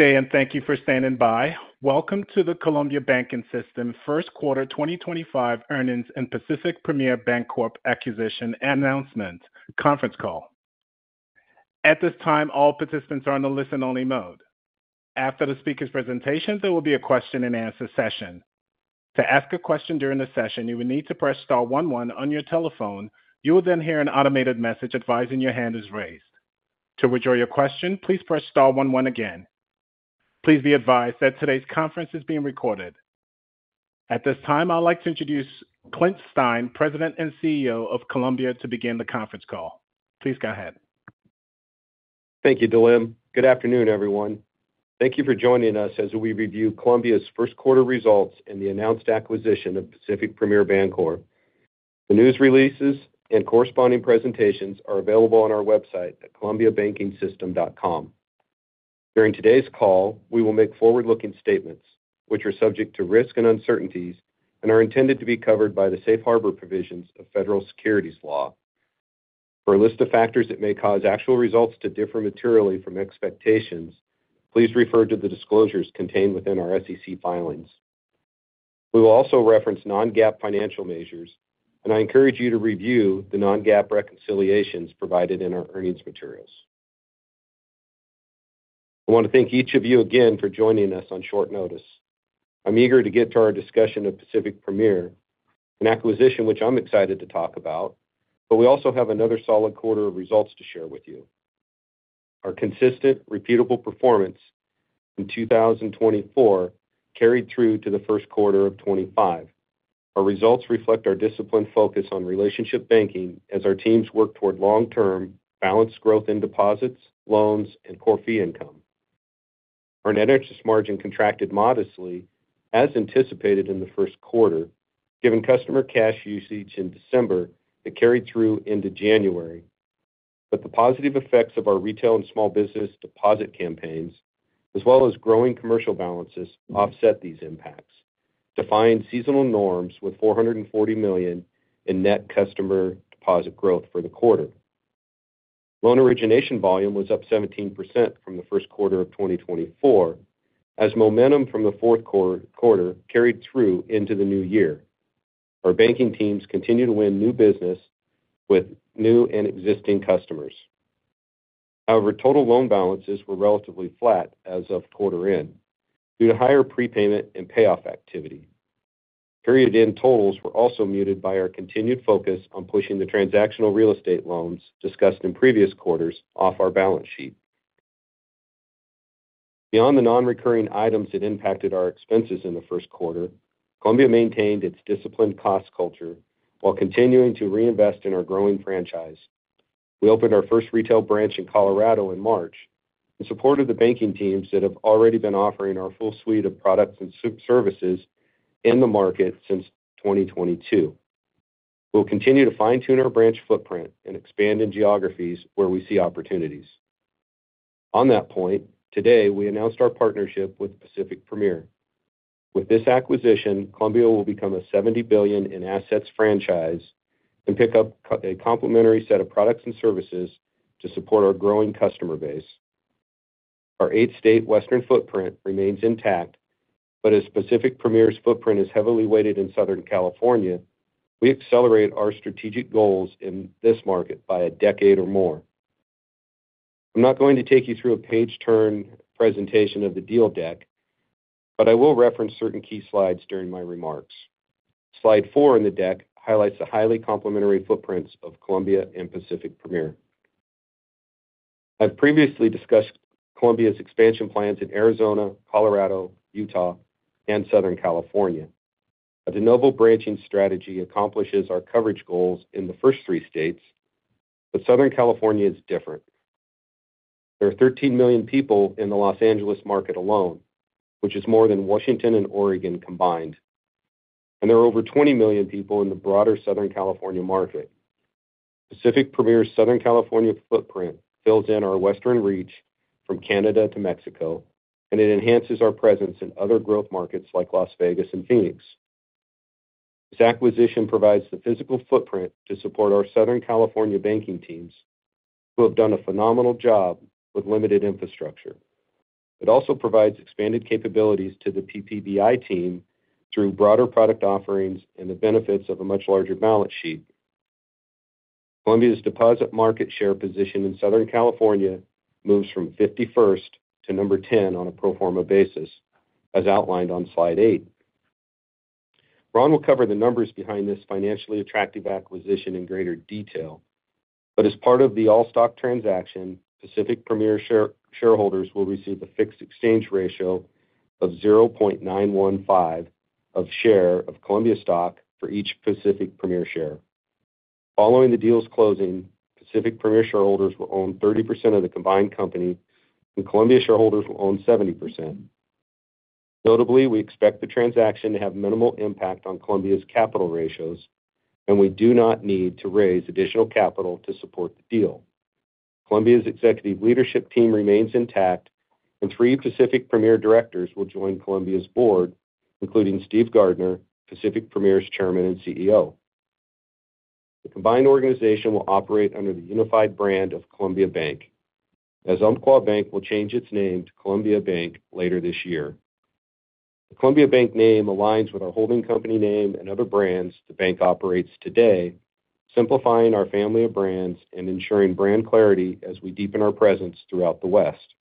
Good day, and thank you for standing by. Welcome to the Columbia Banking System first quarter 2025 earnings and Pacific Premier Bancorp acquisition announcement conference call. At this time, all participants are in the listen-only mode. After the speaker's presentations, there will be a question-and-answer session. To ask a question during the session, you will need to press star one one on your telephone. You will then hear an automated message advising your hand is raised. To withdraw your question, please press star one one again. Please be advised that today's conference is being recorded. At this time, I'd like to introduce Clint Stein, President and CEO of Columbia, to begin the conference call. Please go ahead. Thank you, Delim. Good afternoon, everyone. Thank you for joining us as we review Columbia's first quarter results and the announced acquisition of Pacific Premier Bancorp. The news releases and corresponding presentations are available on our website at columbiabankingsystem.com. During today's call, we will make forward-looking statements, which are subject to risk and uncertainties and are intended to be covered by the safe harbor provisions of federal securities law. For a list of factors that may cause actual results to differ materially from expectations, please refer to the disclosures contained within our SEC filings. We will also reference non-GAAP financial measures, and I encourage you to review the non-GAAP reconciliations provided in our earnings materials. I want to thank each of you again for joining us on short notice. I'm eager to get to our discussion of Pacific Premier, an acquisition which I'm excited to talk about, but we also have another solid quarter of results to share with you. Our consistent, repeatable performance in 2024 carried through to the first quarter of 2025. Our results reflect our disciplined focus on relationship banking as our teams work toward long-term balanced growth in deposits, loans, and core fee income. Our net interest margin contracted modestly, as anticipated in the first quarter, given customer cash usage in December that carried through into January. The positive effects of our retail and small business deposit campaigns, as well as growing commercial balances, offset these impacts, defying seasonal norms with $440 million in net customer deposit growth for the quarter. Loan origination volume was up 17% from the first quarter of 2024, as momentum from the fourth quarter carried through into the new year. Our banking teams continue to win new business with new and existing customers. However, total loan balances were relatively flat as of quarter end due to higher prepayment and payoff activity. Period-end totals were also muted by our continued focus on pushing the transactional real estate loans discussed in previous quarters off our balance sheet. Beyond the non-recurring items that impacted our expenses in the first quarter, Pacific Premier Bancorp maintained its disciplined cost culture while continuing to reinvest in our growing franchise. We opened our first retail branch in Colorado in March in support of the banking teams that have already been offering our full suite of products and services in the market since 2022. We'll continue to fine-tune our branch footprint and expand in geographies where we see opportunities. On that point, today we announced our partnership with Pacific Premier. With this acquisition, Columbia will become a $70 billion in assets franchise and pick up a complementary set of products and services to support our growing customer base. Our eight-state western footprint remains intact, but as Pacific Premier's footprint is heavily weighted in Southern California, we accelerate our strategic goals in this market by a decade or more. I'm not going to take you through a page-turn presentation of the deal deck, but I will reference certain key slides during my remarks. Slide four in the deck highlights the highly complementary footprints of Columbia and Pacific Premier. I've previously discussed Columbia's expansion plans in Arizona, Colorado, Utah, and Southern California. A de novo branching strategy accomplishes our coverage goals in the first three states, but Southern California is different. There are 13 million people in the Los Angeles market alone, which is more than Washington and Oregon combined, and there are over 20 million people in the broader Southern California market. Pacific Premier's Southern California footprint fills in our western reach from Canada to Mexico, and it enhances our presence in other growth markets like Las Vegas and Phoenix. This acquisition provides the physical footprint to support our Southern California banking teams who have done a phenomenal job with limited infrastructure. It also provides expanded capabilities to the PPBI team through broader product offerings and the benefits of a much larger balance sheet. Columbia's deposit market share position in Southern California moves from 51st to number 10 on a pro forma basis, as outlined on slide eight. Ron will cover the numbers behind this financially attractive acquisition in greater detail, but as part of the all-stock transaction, Pacific Premier shareholders will receive a fixed exchange ratio of 0.915 of a share of Columbia stock for each Pacific Premier share. Following the deal's closing, Pacific Premier shareholders will own 30% of the combined company, and Columbia shareholders will own 70%. Notably, we expect the transaction to have minimal impact on Columbia's capital ratios, and we do not need to raise additional capital to support the deal. Columbia's executive leadership team remains intact, and three Pacific Premier directors will join Columbia's board, including Steve Gardner, Pacific Premier's chairman and CEO. The combined organization will operate under the unified brand of Columbia Bank, as Umpqua Bank will change its name to Columbia Bank later this year. The Columbia Bank name aligns with our holding company name and other brands the bank operates today, simplifying our family of brands and ensuring brand clarity as we deepen our presence throughout the West.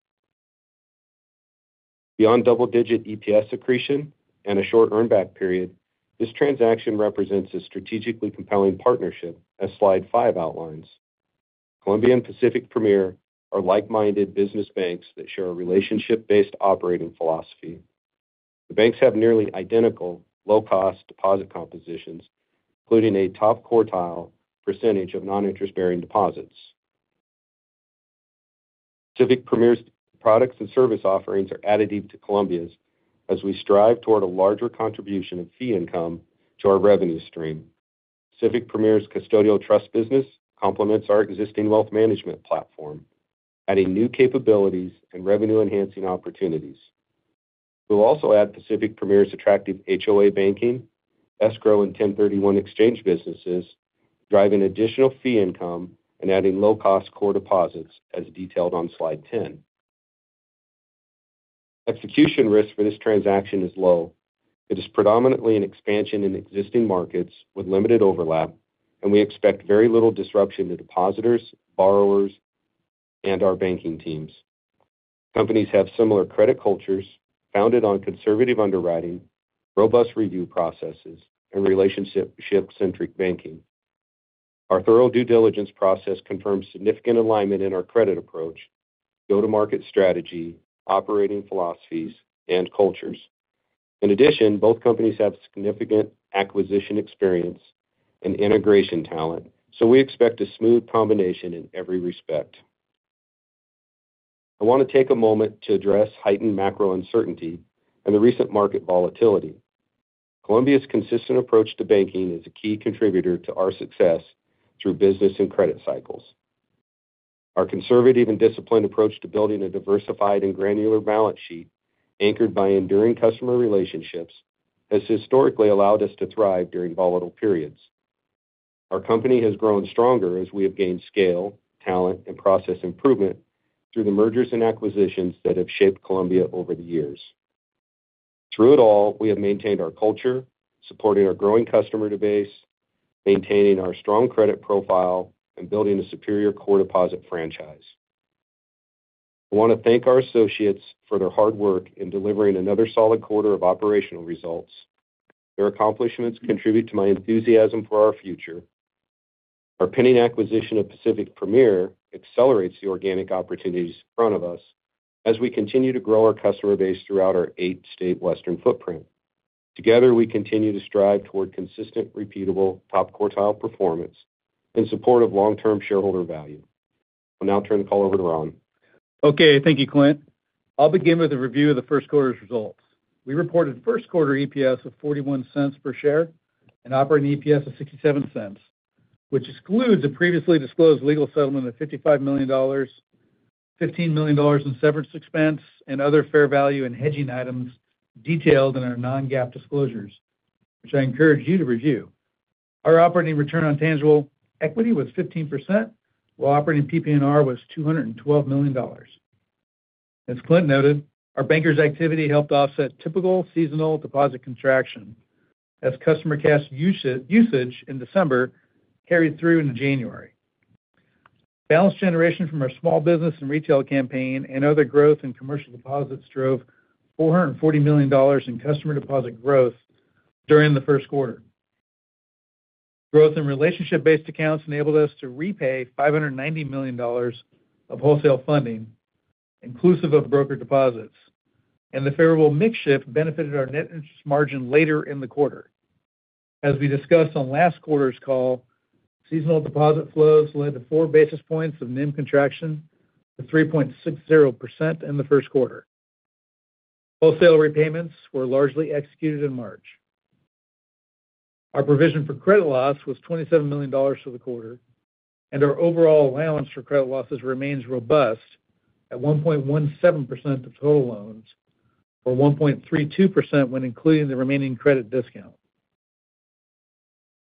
Beyond double-digit EPS accretion and a short earnback period, this transaction represents a strategically compelling partnership, as slide five outlines. Columbia and Pacific Premier are like-minded business banks that share a relationship-based operating philosophy. The banks have nearly identical low-cost deposit compositions, including a top quartile percentage of non-interest-bearing deposits. Pacific Premier's products and service offerings are additive to Columbia's as we strive toward a larger contribution of fee income to our revenue stream. Pacific Premier's custodial trust business complements our existing wealth management platform, adding new capabilities and revenue-enhancing opportunities. We'll also add Pacific Premier's attractive HOA banking, escrow, and 1031 exchange businesses, driving additional fee income and adding low-cost core deposits, as detailed on slide 10. Execution risk for this transaction is low. It is predominantly an expansion in existing markets with limited overlap, and we expect very little disruption to depositors, borrowers, and our banking teams. Companies have similar credit cultures founded on conservative underwriting, robust review processes, and relationship-centric banking. Our thorough due diligence process confirms significant alignment in our credit approach, go-to-market strategy, operating philosophies, and cultures. In addition, both companies have significant acquisition experience and integration talent, so we expect a smooth combination in every respect. I want to take a moment to address heightened macro uncertainty and the recent market volatility. Pacific Premier's consistent approach to banking is a key contributor to our success through business and credit cycles. Our conservative and disciplined approach to building a diversified and granular balance sheet anchored by enduring customer relationships has historically allowed us to thrive during volatile periods. Our company has grown stronger as we have gained scale, talent, and process improvement through the mergers and acquisitions that have shaped Pacific Premier over the years. Through it all, we have maintained our culture, supporting our growing customer base, maintaining our strong credit profile, and building a superior core deposit franchise. I want to thank our associates for their hard work in delivering another solid quarter of operational results. Their accomplishments contribute to my enthusiasm for our future. Our pending acquisition of Pacific Premier accelerates the organic opportunities in front of us as we continue to grow our customer base throughout our eight-state western footprint. Together, we continue to strive toward consistent, repeatable top quartile performance in support of long-term shareholder value. I'll now turn the call over to Ron. Okay. Thank you, Clint. I'll begin with a review of the first quarter's results. We reported first quarter EPS of $0.41 per share and operating EPS of $0.67, which excludes a previously disclosed legal settlement of $55 million, $15 million in severance expense, and other fair value and hedging items detailed in our non-GAAP disclosures, which I encourage you to review. Our operating return on tangible equity was 15%, while operating PPNR was $212 million. As Clint noted, our bankers' activity helped offset typical seasonal deposit contraction as customer cash usage in December carried through into January. Balance generation from our small business and retail campaign and other growth in commercial deposits drove $440 million in customer deposit growth during the first quarter. Growth in relationship-based accounts enabled us to repay $590 million of wholesale funding, inclusive of broker deposits, and the favorable mix shift benefited our net interest margin later in the quarter. As we discussed on last quarter's call, seasonal deposit flows led to four basis points of NIM contraction to 3.60% in the first quarter. Wholesale repayments were largely executed in March. Our provision for credit loss was $27 million for the quarter, and our overall allowance for credit losses remains robust at 1.17% of total loans or 1.32% when including the remaining credit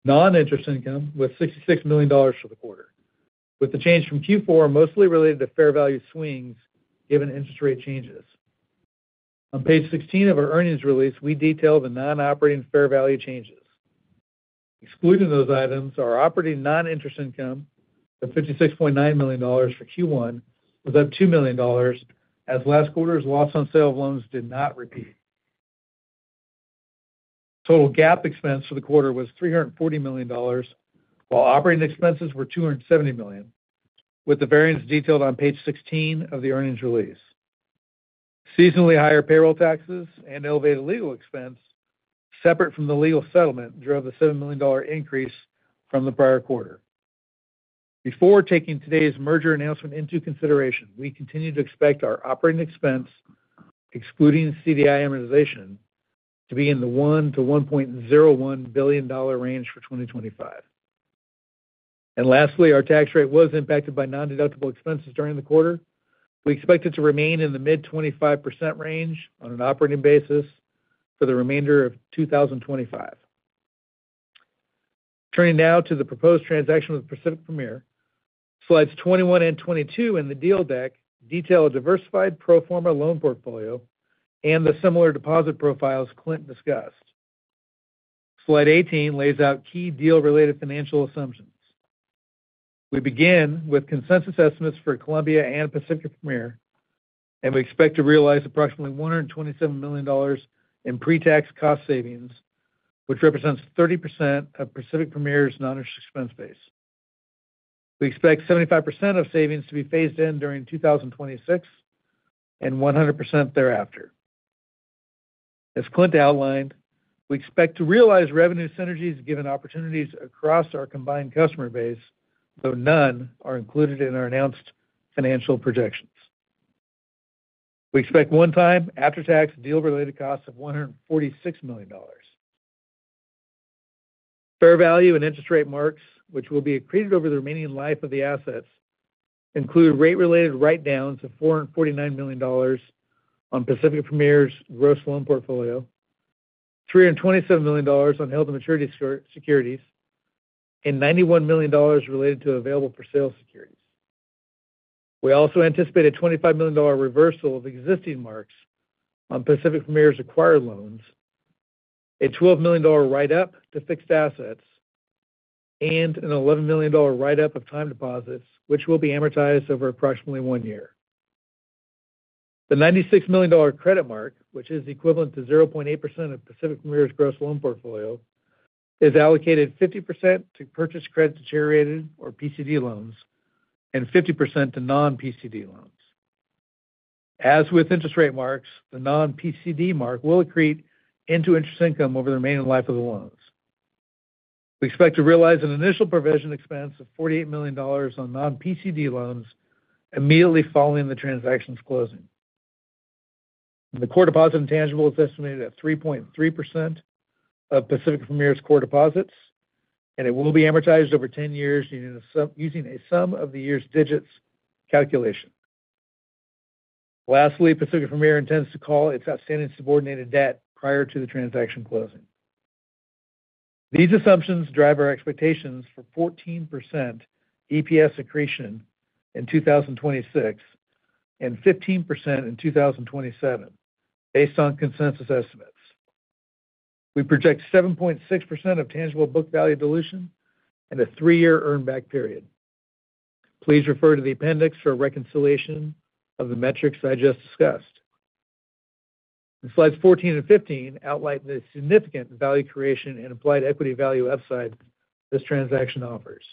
discount. Non-interest income was $66 million for the quarter, with the change from Q4 mostly related to fair value swings given interest rate changes. On page 16 of our earnings release, we detail the non-operating fair value changes. Excluding those items, our operating non-interest income of $56.9 million for Q1 was up $2 million as last quarter's loss on sale of loans did not repeat. Total GAAP expense for the quarter was $340 million, while operating expenses were $270 million, with the variance detailed on page 16 of the earnings release. Seasonally higher payroll taxes and elevated legal expense separate from the legal settlement drove the $7 million increase from the prior quarter. Before taking today's merger announcement into consideration, we continue to expect our operating expense, excluding CDI amortization, to be in the $1 billion-$1.01 billion range for 2025. Lastly, our tax rate was impacted by non-deductible expenses during the quarter. We expect it to remain in the mid-25% range on an operating basis for the remainder of 2025. Turning now to the proposed transaction with Pacific Premier, slides 21 and 22 in the deal deck detail a diversified pro forma loan portfolio and the similar deposit profiles Clint discussed. Slide 18 lays out key deal-related financial assumptions. We begin with consensus estimates for Columbia and Pacific Premier, and we expect to realize approximately $127 million in pre-tax cost savings, which represents 30% of Pacific Premier's non-interest expense base. We expect 75% of savings to be phased in during 2026 and 100% thereafter. As Clint outlined, we expect to realize revenue synergies given opportunities across our combined customer base, though none are included in our announced financial projections. We expect one-time after-tax deal-related costs of $146 million. Fair value and interest rate marks, which will be accreted over the remaining life of the assets, include rate-related write-downs of $449 million on Pacific Premier's gross loan portfolio, $327 million on held and maturity securities, and $91 million related to available for sale securities. We also anticipate a $25 million reversal of existing marks on Pacific Premier's acquired loans, a $12 million write-up to fixed assets, and an $11 million write-up of time deposits, which will be amortized over approximately one year. The $96 million credit mark, which is equivalent to 0.8% of Pacific Premier's gross loan portfolio, is allocated 50% to purchase credit-deteriorated or PCD loans and 50% to non-PCD loans. As with interest rate marks, the non-PCD mark will accrete into interest income over the remaining life of the loans. We expect to realize an initial provision expense of $48 million on non-PCD loans immediately following the transaction's closing. The core deposit intangible is estimated at 3.3% of Pacific Premier's core deposits, and it will be amortized over 10 years using a sum of the year's digits calculation. Lastly, Pacific Premier intends to call its outstanding subordinated debt prior to the transaction closing. These assumptions drive our expectations for 14% EPS accretion in 2026 and 15% in 2027 based on consensus estimates. We project 7.6% of tangible book value dilution and a three-year earnback period. Please refer to the appendix for reconciliation of the metrics I just discussed. Slides 14 and 15 outline the significant value creation and implied equity value upside this transaction offers.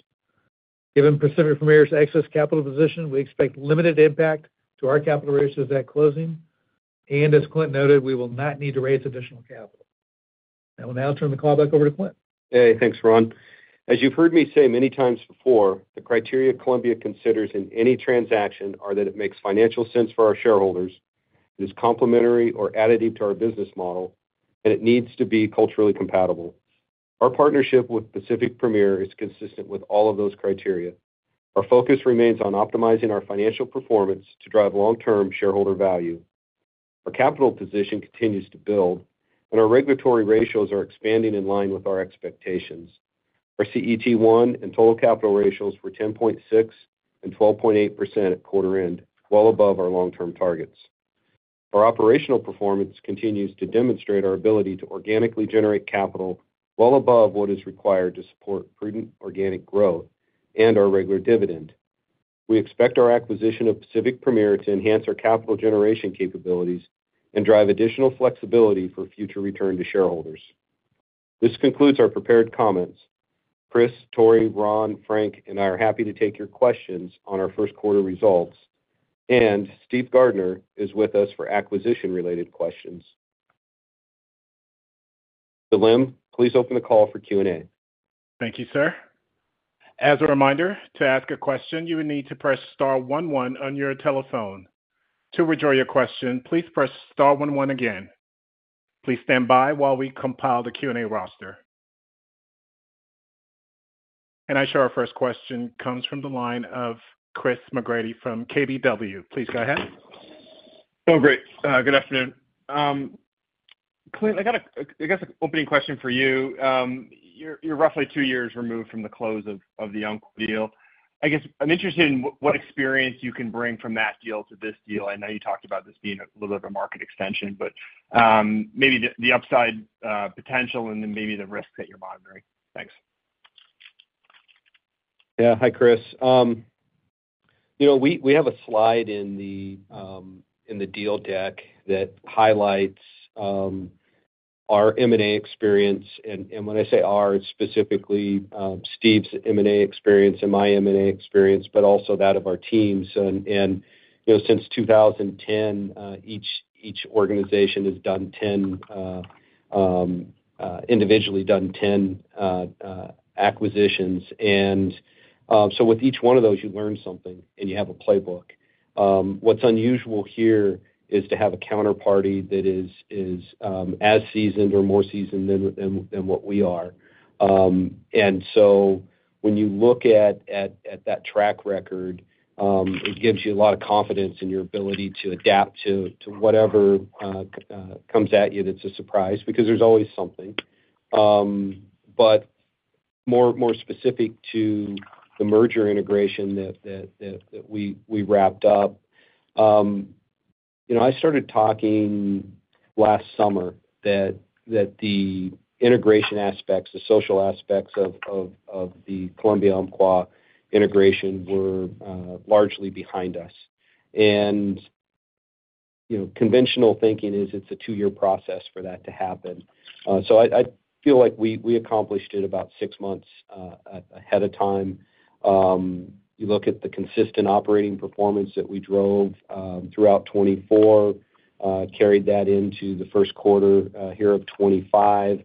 Given Pacific Premier's excess capital position, we expect limited impact to our capital ratios at closing, and as Clint noted, we will not need to raise additional capital. I will now turn the call back over to Clint. Hey, thanks, Ron. As you've heard me say many times before, the criteria Columbia considers in any transaction are that it makes financial sense for our shareholders, it is complementary or additive to our business model, and it needs to be culturally compatible. Our partnership with Pacific Premier is consistent with all of those criteria. Our focus remains on optimizing our financial performance to drive long-term shareholder value. Our capital position continues to build, and our regulatory ratios are expanding in line with our expectations. Our CET1 and total capital ratios were 10.6% and 12.8% at quarter-end, well above our long-term targets. Our operational performance continues to demonstrate our ability to organically generate capital well above what is required to support prudent organic growth and our regular dividend. We expect our acquisition of Pacific Premier to enhance our capital generation capabilities and drive additional flexibility for future return to shareholders. This concludes our prepared comments. Chris, Tory, Ron, Frank, and I are happy to take your questions on our first quarter results, and Steve Gardner is with us for acquisition-related questions. Delim, please open the call for Q&A. Thank you, sir. As a reminder, to ask a question, you would need to press star one one on your telephone. To withdraw your question, please press star one one again. Please stand by while we compile the Q&A roster. I show our first question comes from the line of Chris McGratty from KBW. Please go ahead. Oh, great. Good afternoon. Clint, I got an opening question for you. You're roughly two years removed from the close of the Umpqua deal. I guess I'm interested in what experience you can bring from that deal to this deal. I know you talked about this being a little bit of a market extension, but maybe the upside potential and then maybe the risks that you're monitoring. Thanks. Yeah. Hi, Chris. We have a slide in the deal deck that highlights our M&A experience. When I say our, it's specifically Steve's M&A experience and my M&A experience, but also that of our teams. Since 2010, each organization has individually done 10 acquisitions. With each one of those, you learn something and you have a playbook. What's unusual here is to have a counterparty that is as seasoned or more seasoned than what we are. When you look at that track record, it gives you a lot of confidence in your ability to adapt to whatever comes at you that's a surprise because there's always something. More specific to the merger integration that we wrapped up, I started talking last summer that the integration aspects, the social aspects of the Columbia-Umpqua integration were largely behind us. Conventional thinking is it's a two-year process for that to happen. I feel like we accomplished it about six months ahead of time. You look at the consistent operating performance that we drove throughout 2024, carried that into the first quarter here of 2025.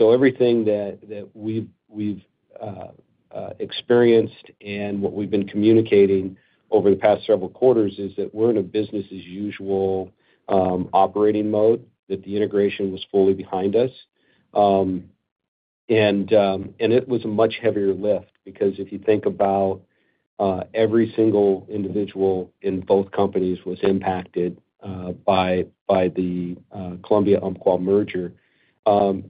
Everything that we've experienced and what we've been communicating over the past several quarters is that we're in a business-as-usual operating mode, that the integration was fully behind us. It was a much heavier lift because if you think about every single individual in both companies was impacted by the Columbia-Imerger.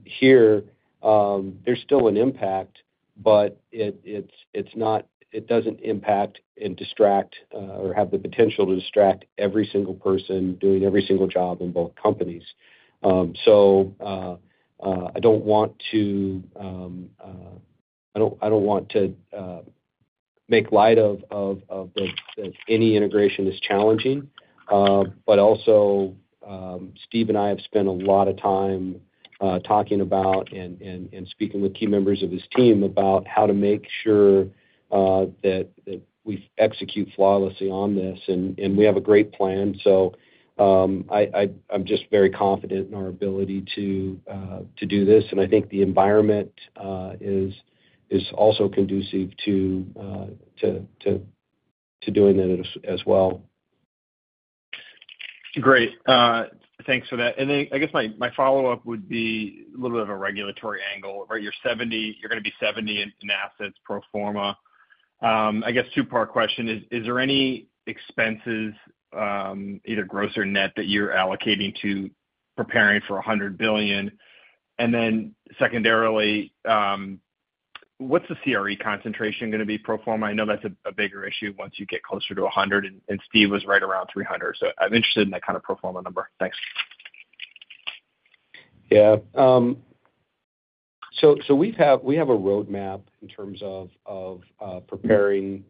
Here, there's still an impact, but it doesn't impact and distract or have the potential to distract every single person doing every single job in both companies. I don't want to make light of that any integration is challenging. Steve and I have spent a lot of time talking about and speaking with key members of his team about how to make sure that we execute flawlessly on this. We have a great plan. I'm just very confident in our ability to do this. I think the environment is also conducive to doing that as well. Great. Thanks for that. I guess my follow-up would be a little bit of a regulatory angle, right? You're going to be $70 billion in assets pro forma. I guess two-part question is, is there any expenses, either gross or net, that you're allocating to preparing for $100 billion? Secondarily, what's the CRE concentration going to be pro forma? I know that's a bigger issue once you get closer to $100 billion, and Steve was right around 300. I'm interested in that kind of pro forma number. Thanks. Yeah. We have a roadmap in terms of preparing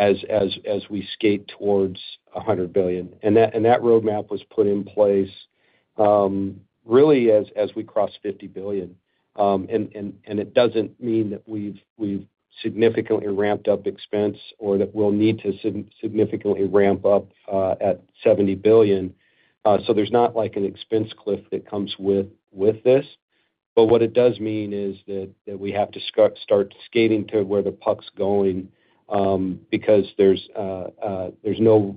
as we skate towards $100 billion. That roadmap was put in place really as we crossed $50 billion. It does not mean that we've significantly ramped up expense or that we'll need to significantly ramp up at $70 billion. There is not an expense cliff that comes with this. What it does mean is that we have to start skating to where the puck's going because there is no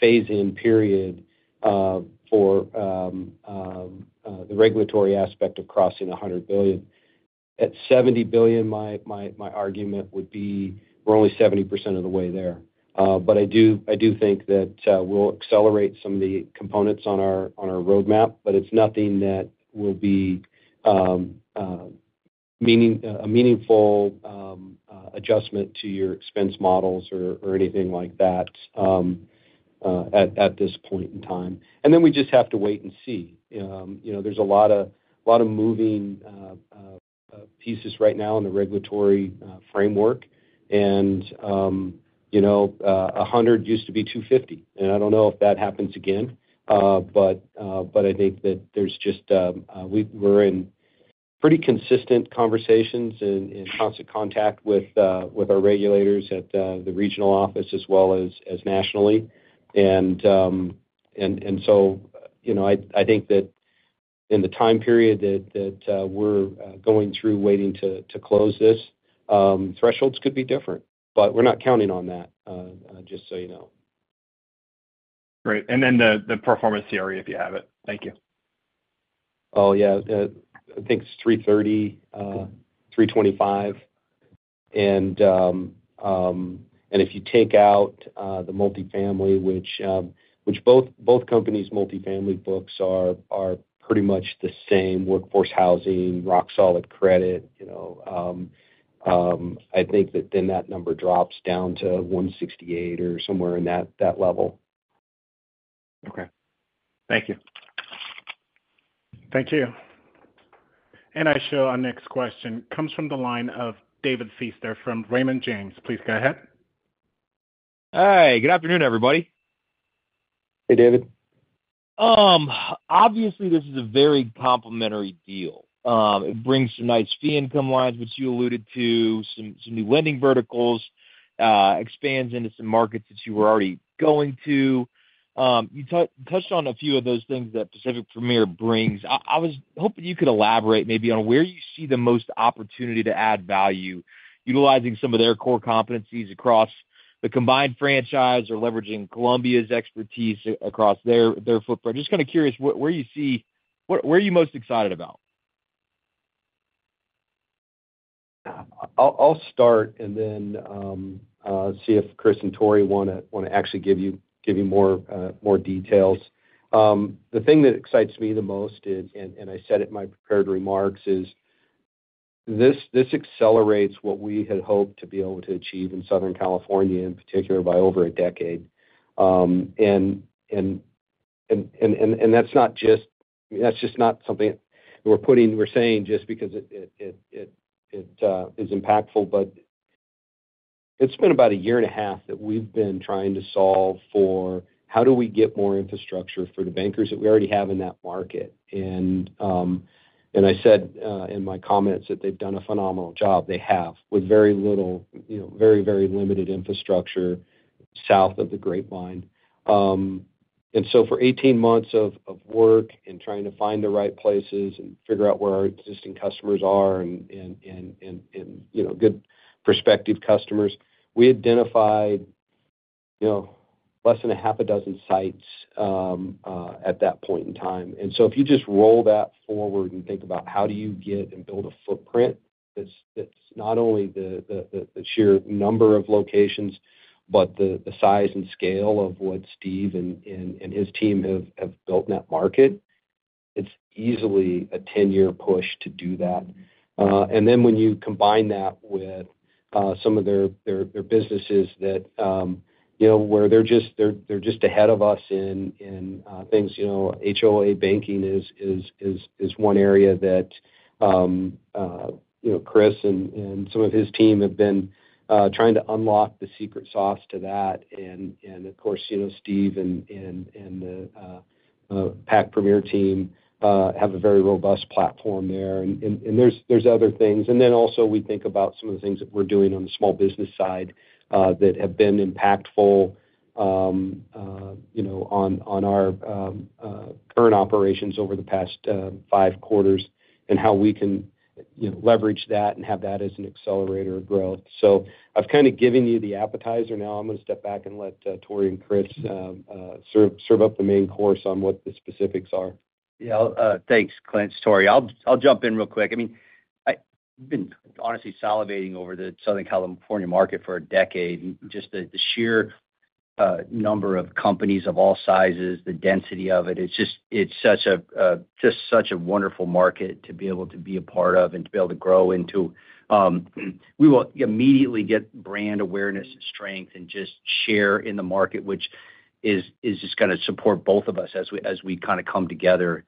phase-in period for the regulatory aspect of crossing $100 billion. At $70 billion, my argument would be we're only 70% of the way there. I do think that we'll accelerate some of the components on our roadmap, but it is nothing that will be a meaningful adjustment to your expense models or anything like that at this point in time. We just have to wait and see. There's a lot of moving pieces right now in the regulatory framework. One hundred used to be two hundred fifty. I don't know if that happens again, but I think that there's just we're in pretty consistent conversations and constant contact with our regulators at the regional office as well as nationally. I think that in the time period that we're going through waiting to close this, thresholds could be different. We're not counting on that, just so you know. Great. Then the performance CRE, if you have it. Thank you. Oh, yeah. I think it's 330, 325. If you take out the multifamily, which both companies' multifamily books are pretty much the same: workforce housing, rock-solid credit, I think that then that number drops down to 168 or somewhere in that level. Okay. Thank you. Thank you. I show our next question comes from the line of David Feaster from Raymond James. Please go ahead. Hi. Good afternoon, everybody. Hey, David. Obviously, this is a very complementary deal. It brings some nice fee income lines, which you alluded to, some new lending verticals, expands into some markets that you were already going to. You touched on a few of those things that Pacific Premier brings. I was hoping you could elaborate maybe on where you see the most opportunity to add value, utilizing some of their core competencies across the combined franchise or leveraging Columbia's expertise across their footprint. Just kind of curious where you see where are you most excited about? I'll start and then see if Chris and Tory want to actually give you more details. The thing that excites me the most, and I said it in my prepared remarks, is this accelerates what we had hoped to be able to achieve in Southern California, in particular, by over a decade. That's just not something we're saying just because it is impactful, but it's been about a year and a half that we've been trying to solve for how do we get more infrastructure for the bankers that we already have in that market. I said in my comments that they've done a phenomenal job. They have with very little, very, very limited infrastructure south of the grapevine. For 18 months of work and trying to find the right places and figure out where our existing customers are and good prospective customers, we identified less than half a dozen sites at that point in time. If you just roll that forward and think about how you get and build a footprint that's not only the sheer number of locations, but the size and scale of what Steve and his team have built in that market, it's easily a 10-year push to do that. When you combine that with some of their businesses where they're just ahead of us in things, HOA banking is one area that Chris and some of his team have been trying to unlock the secret sauce to that. Of course, Steve and the Pacific Premier team have a very robust platform there. There are other things. Also, we think about some of the things that we are doing on the small business side that have been impactful on our current operations over the past five quarters and how we can leverage that and have that as an accelerator of growth. I have kind of given you the appetizer now. I am going to step back and let Tory and Chris serve up the main course on what the specifics are. Yeah. Thanks, Clint, Tory. I'll jump in real quick. I mean, I've been honestly salivating over the Southern California market for a decade. Just the sheer number of companies of all sizes, the density of it, it's just such a wonderful market to be able to be a part of and to be able to grow into. We will immediately get brand awareness and strength and just share in the market, which is just going to support both of us as we kind of come together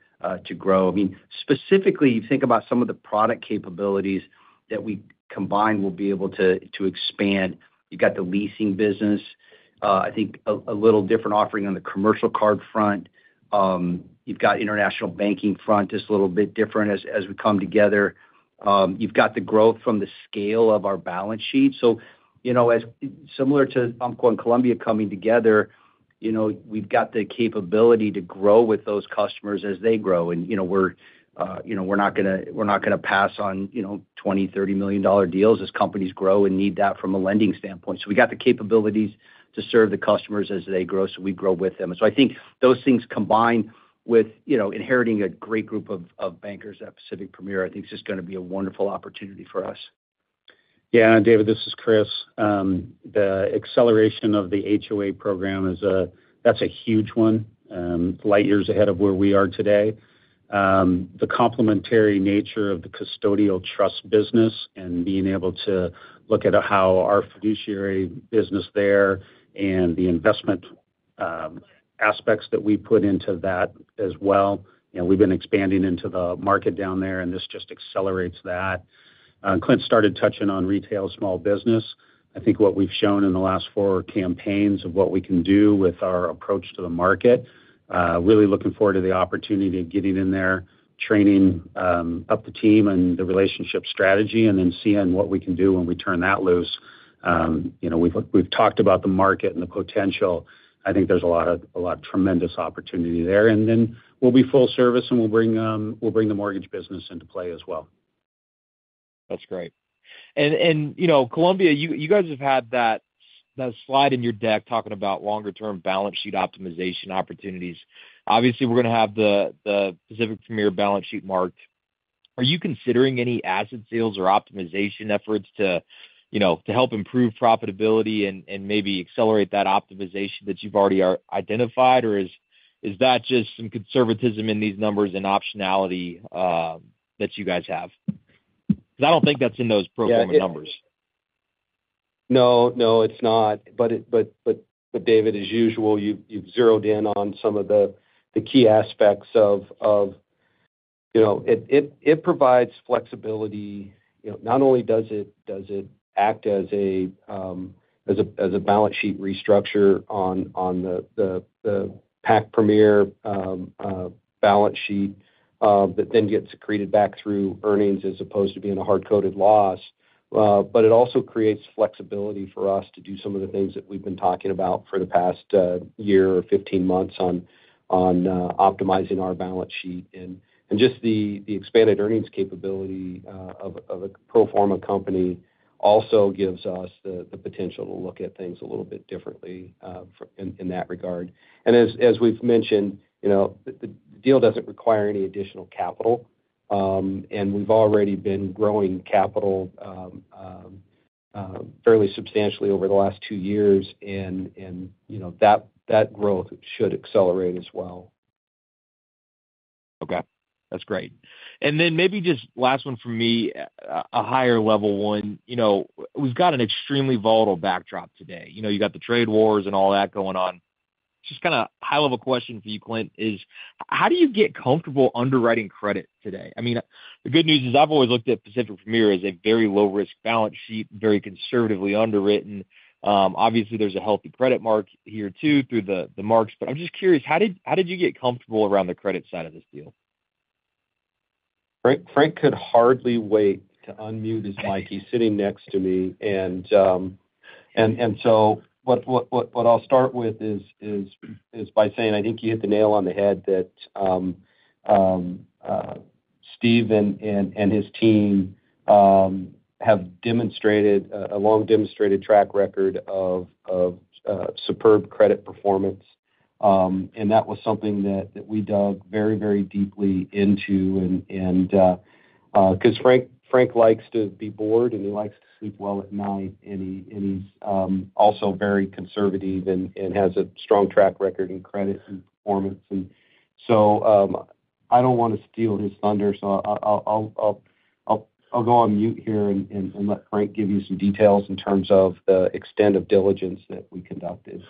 to grow. I mean, specifically, you think about some of the product capabilities that we combined will be able to expand. You've got the leasing business. I think a little different offering on the commercial card front. You've got international banking front, just a little bit different as we come together. You've got the growth from the scale of our balance sheet. Similar to Umpqua and Columbia coming together, we've got the capability to grow with those customers as they grow. We're not going to pass on $20 million-$30 million deals as companies grow and need that from a lending standpoint. We've got the capabilities to serve the customers as they grow, so we grow with them. I think those things combined with inheriting a great group of bankers at Pacific Premier, I think it's just going to be a wonderful opportunity for us. Yeah. David, this is Chris. The acceleration of the HOA program, that's a huge one. Light years ahead of where we are today. The complementary nature of the custodial trust business and being able to look at how our fiduciary business there and the investment aspects that we put into that as well. We have been expanding into the market down there, and this just accelerates that. Clint started touching on retail small business. I think what we have shown in the last four campaigns of what we can do with our approach to the market. Really looking forward to the opportunity of getting in there, training up the team and the relationship strategy, and then seeing what we can do when we turn that loose. We have talked about the market and the potential. I think there is a lot of tremendous opportunity there. We'll be full service, and we'll bring the mortgage business into play as well. That's great. Columbia, you guys have had that slide in your deck talking about longer-term balance sheet optimization opportunities. Obviously, we're going to have the Pacific Premier balance sheet marked. Are you considering any asset sales or optimization efforts to help improve profitability and maybe accelerate that optimization that you've already identified? Is that just some conservatism in these numbers and optionality that you guys have? I do not think that's in those pro forma numbers. No, no, it's not. David, as usual, you've zeroed in on some of the key aspects of it provides flexibility. Not only does it act as a balance sheet restructure on the Pacific Premier Bancorp balance sheet that then gets secreted back through earnings as opposed to being a hard-coded loss, it also creates flexibility for us to do some of the things that we've been talking about for the past year or 15 months on optimizing our balance sheet. Just the expanded earnings capability of a pro forma company also gives us the potential to look at things a little bit differently in that regard. As we've mentioned, the deal doesn't require any additional capital. We've already been growing capital fairly substantially over the last two years. That growth should accelerate as well. Okay. That's great. Maybe just last one from me, a higher-level one. We've got an extremely volatile backdrop today. You've got the trade wars and all that going on. Just kind of high-level question for you, Clint, is how do you get comfortable underwriting credit today? I mean, the good news is I've always looked at Pacific Premier as a very low-risk balance sheet, very conservatively underwritten. Obviously, there's a healthy credit mark here too through the marks. I'm just curious, how did you get comfortable around the credit side of this deal? Frank could hardly wait to unmute his mic. He's sitting next to me. What I'll start with is by saying I think you hit the nail on the head that Steve and his team have a long-demonstrated track record of superb credit performance. That was something that we dug very, very deeply into. Because Frank likes to be bored, and he likes to sleep well at night, and he's also very conservative and has a strong track record in credit and performance. I do not want to steal his thunder, so I'll go on mute here and let Frank give you some details in terms of the extent of diligence that we conducted.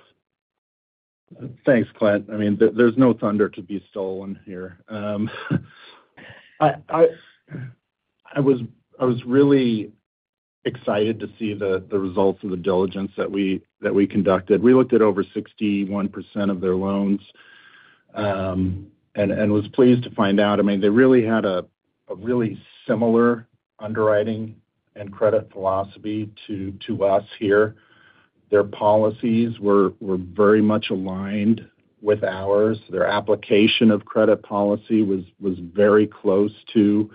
Thanks, Clint. I mean, there's no thunder to be stolen here. I was really excited to see the results of the diligence that we conducted. We looked at over 61% of their loans and was pleased to find out, I mean, they really had a really similar underwriting and credit philosophy to us here. Their policies were very much aligned with ours. Their application of credit policy was very close to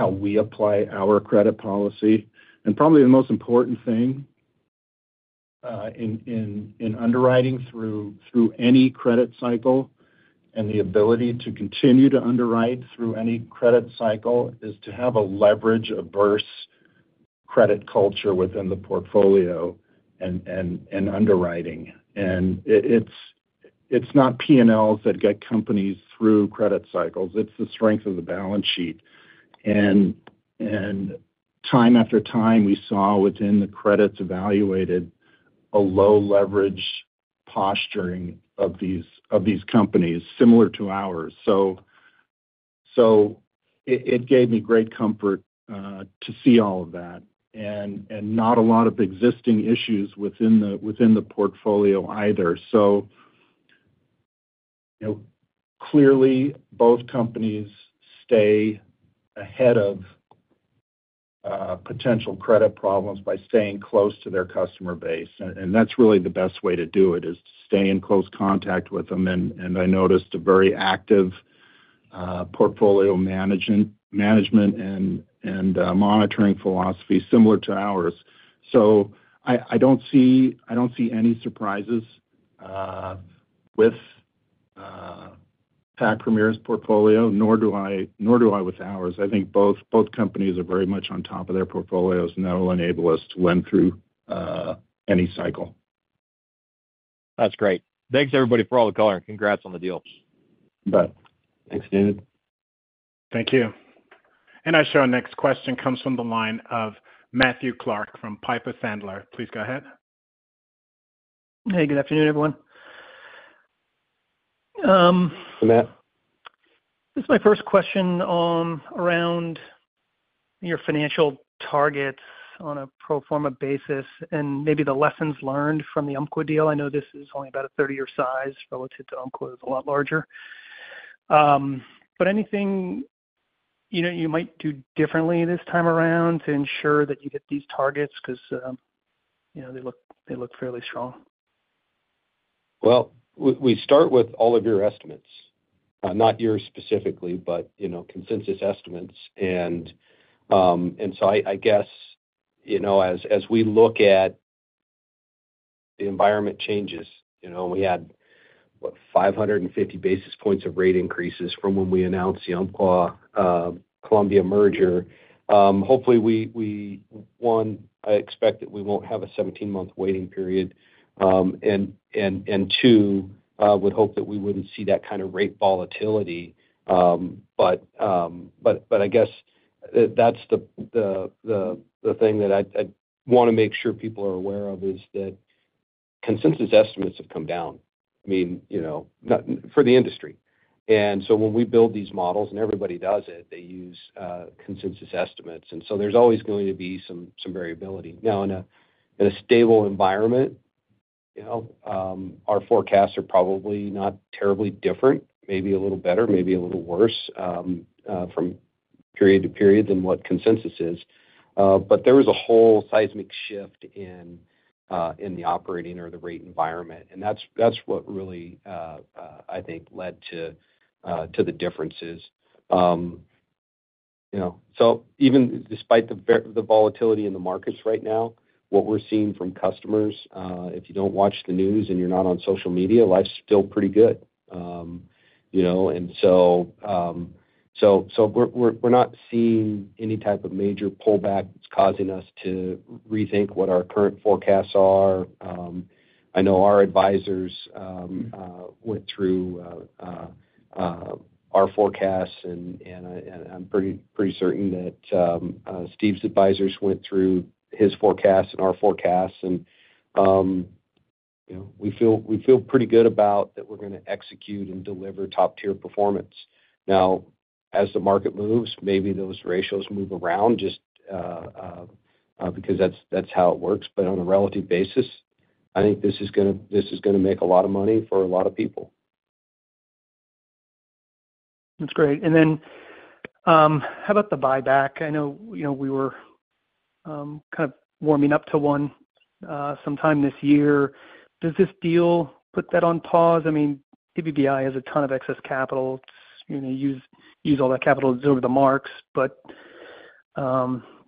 how we apply our credit policy. Probably the most important thing in underwriting through any credit cycle and the ability to continue to underwrite through any credit cycle is to have a leverage, a burst credit culture within the portfolio and underwriting. It's not P&Ls that get companies through credit cycles. It's the strength of the balance sheet. Time after time, we saw within the credits evaluated a low-leverage posturing of these companies similar to ours. It gave me great comfort to see all of that and not a lot of existing issues within the portfolio either. Clearly, both companies stay ahead of potential credit problems by staying close to their customer base. That's really the best way to do it, to stay in close contact with them. I noticed a very active portfolio management and monitoring philosophy similar to ours. I do not see any surprises with Pacific Premier's portfolio, nor do I with ours. I think both companies are very much on top of their portfolios and that will enable us to lend through any cycle. That's great. Thanks, everybody, for all the color. Congrats on the deal. Bye. Thanks, David. Thank you. I show next question comes from the line of Matthew Clark from Piper Sandler. Please go ahead. Hey, good afternoon, everyone. Hey, Matt. This is my first question around your financial targets on a pro forma basis and maybe the lessons learned from the Umpqua deal. I know this is only about a third your size relative to Umpqua, it's a lot larger. Anything you might do differently this time around to ensure that you hit these targets because they look fairly strong? We start with all of your estimates, not yours specifically, but consensus estimates. I guess as we look at the environment changes, we had, what, 550 basis points of rate increases from when we announced the Umpqua-Columbia merger. Hopefully, one, I expect that we won't have a 17-month waiting period. Two, I would hope that we wouldn't see that kind of rate volatility. I guess that's the thing that I want to make sure people are aware of, is that consensus estimates have come down, I mean, for the industry. When we build these models and everybody does it, they use consensus estimates. There's always going to be some variability. In a stable environment, our forecasts are probably not terribly different, maybe a little better, maybe a little worse from period to period than what consensus is. There was a whole seismic shift in the operating or the rate environment. That is what really, I think, led to the differences. Even despite the volatility in the markets right now, what we are seeing from customers, if you do not watch the news and you are not on social media, life is still pretty good. We are not seeing any type of major pullback that is causing us to rethink what our current forecasts are. I know our advisors went through our forecasts, and I am pretty certain that Steve's advisors went through his forecasts and our forecasts. We feel pretty good about that we are going to execute and deliver top-tier performance. As the market moves, maybe those ratios move around just because that is how it works. On a relative basis, I think this is going to make a lot of money for a lot of people. That's great. And then how about the buyback? I know we were kind of warming up to one sometime this year. Does this deal put that on pause? I mean, PPBI has a ton of excess capital. It's going to use all that capital to deliver the marks. But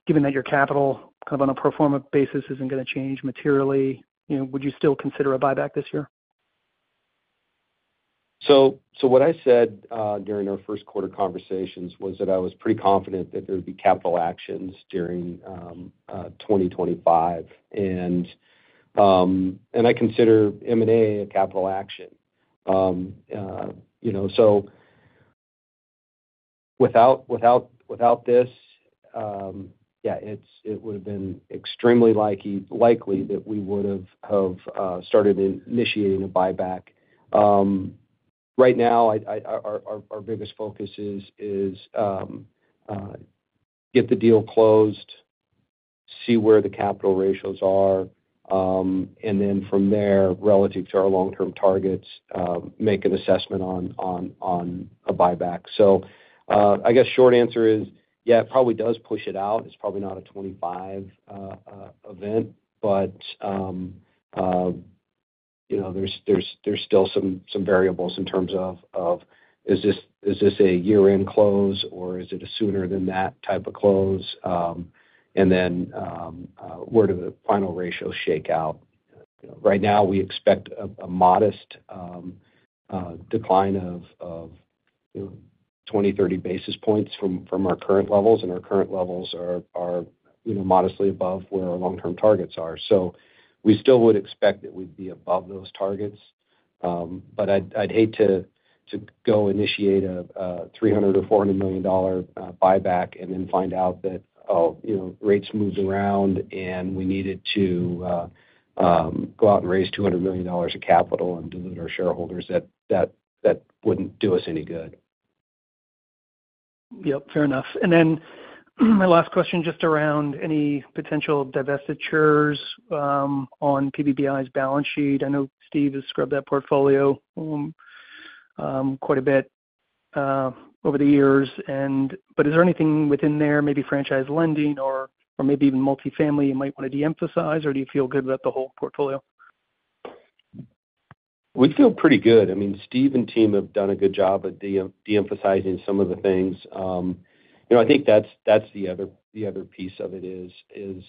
given that your capital kind of on a pro forma basis isn't going to change materially, would you still consider a buyback this year? What I said during our first quarter conversations was that I was pretty confident that there would be capital actions during 2025. I consider M&A a capital action. Without this, yeah, it would have been extremely likely that we would have started initiating a buyback. Right now, our biggest focus is get the deal closed, see where the capital ratios are, and then from there, relative to our long-term targets, make an assessment on a buyback. I guess short answer is, yeah, it probably does push it out. It's probably not a 2025 event, but there's still some variables in terms of, is this a year-end close, or is it a sooner-than-that type of close? Where do the final ratios shake out? Right now, we expect a modest decline of 20-30 basis points from our current levels. Our current levels are modestly above where our long-term targets are. We still would expect that we'd be above those targets. I'd hate to go initiate a $300 million or $400 million buyback and then find out that, oh, rates moved around, and we needed to go out and raise $200 million of capital and dilute our shareholders. That would not do us any good. Yep, fair enough. My last question just around any potential divestitures on PPBI's balance sheet. I know Steve has scrubbed that portfolio quite a bit over the years. Is there anything within there, maybe franchise lending or maybe even multifamily you might want to de-emphasize, or do you feel good about the whole portfolio? We feel pretty good. I mean, Steve and team have done a good job of de-emphasizing some of the things. I think that's the other piece of it, is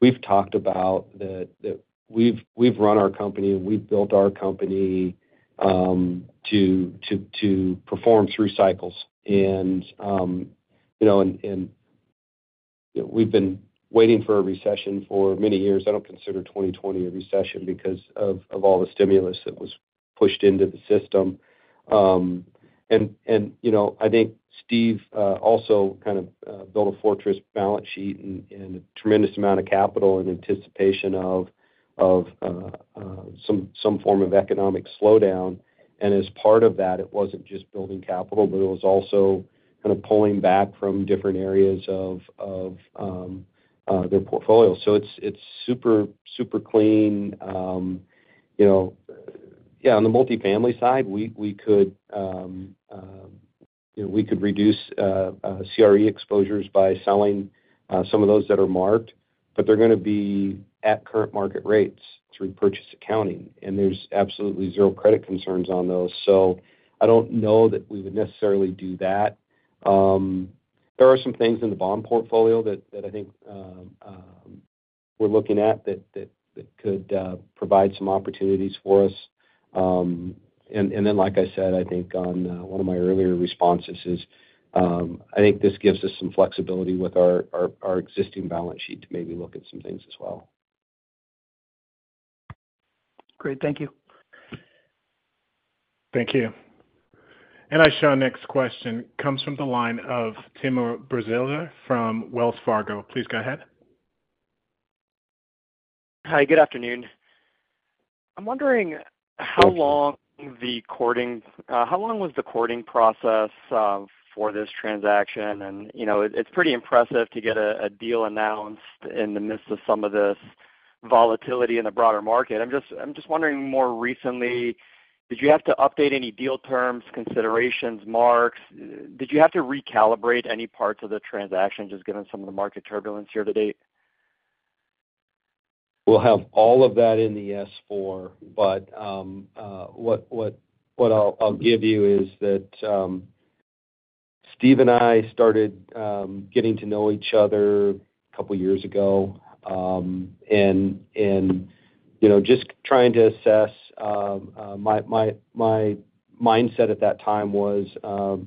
we've talked about that we've run our company, and we've built our company to perform through cycles. We've been waiting for a recession for many years. I don't consider 2020 a recession because of all the stimulus that was pushed into the system. I think Steve also kind of built a fortress balance sheet and a tremendous amount of capital in anticipation of some form of economic slowdown. As part of that, it wasn't just building capital, but it was also kind of pulling back from different areas of their portfolio. It's super clean. Yeah, on the multifamily side, we could reduce CRE exposures by selling some of those that are marked, but they're going to be at current market rates through purchase accounting. There's absolutely zero credit concerns on those. I don't know that we would necessarily do that. There are some things in the bond portfolio that I think we're looking at that could provide some opportunities for us. Like I said, I think on one of my earlier responses, I think this gives us some flexibility with our existing balance sheet to maybe look at some things as well. Great. Thank you. Thank you. I show next question comes from the line of Tim Braziler from Wells Fargo. Please go ahead. Hi, good afternoon. I'm wondering how long was the courting process for this transaction? It's pretty impressive to get a deal announced in the midst of some of this volatility in the broader market. I'm just wondering, more recently, did you have to update any deal terms, considerations, marks? Did you have to recalibrate any parts of the transaction just given some of the market turbulence here to date? We'll have all of that in the S4. What I'll give you is that Steve and I started getting to know each other a couple of years ago. Just trying to assess, my mindset at that time was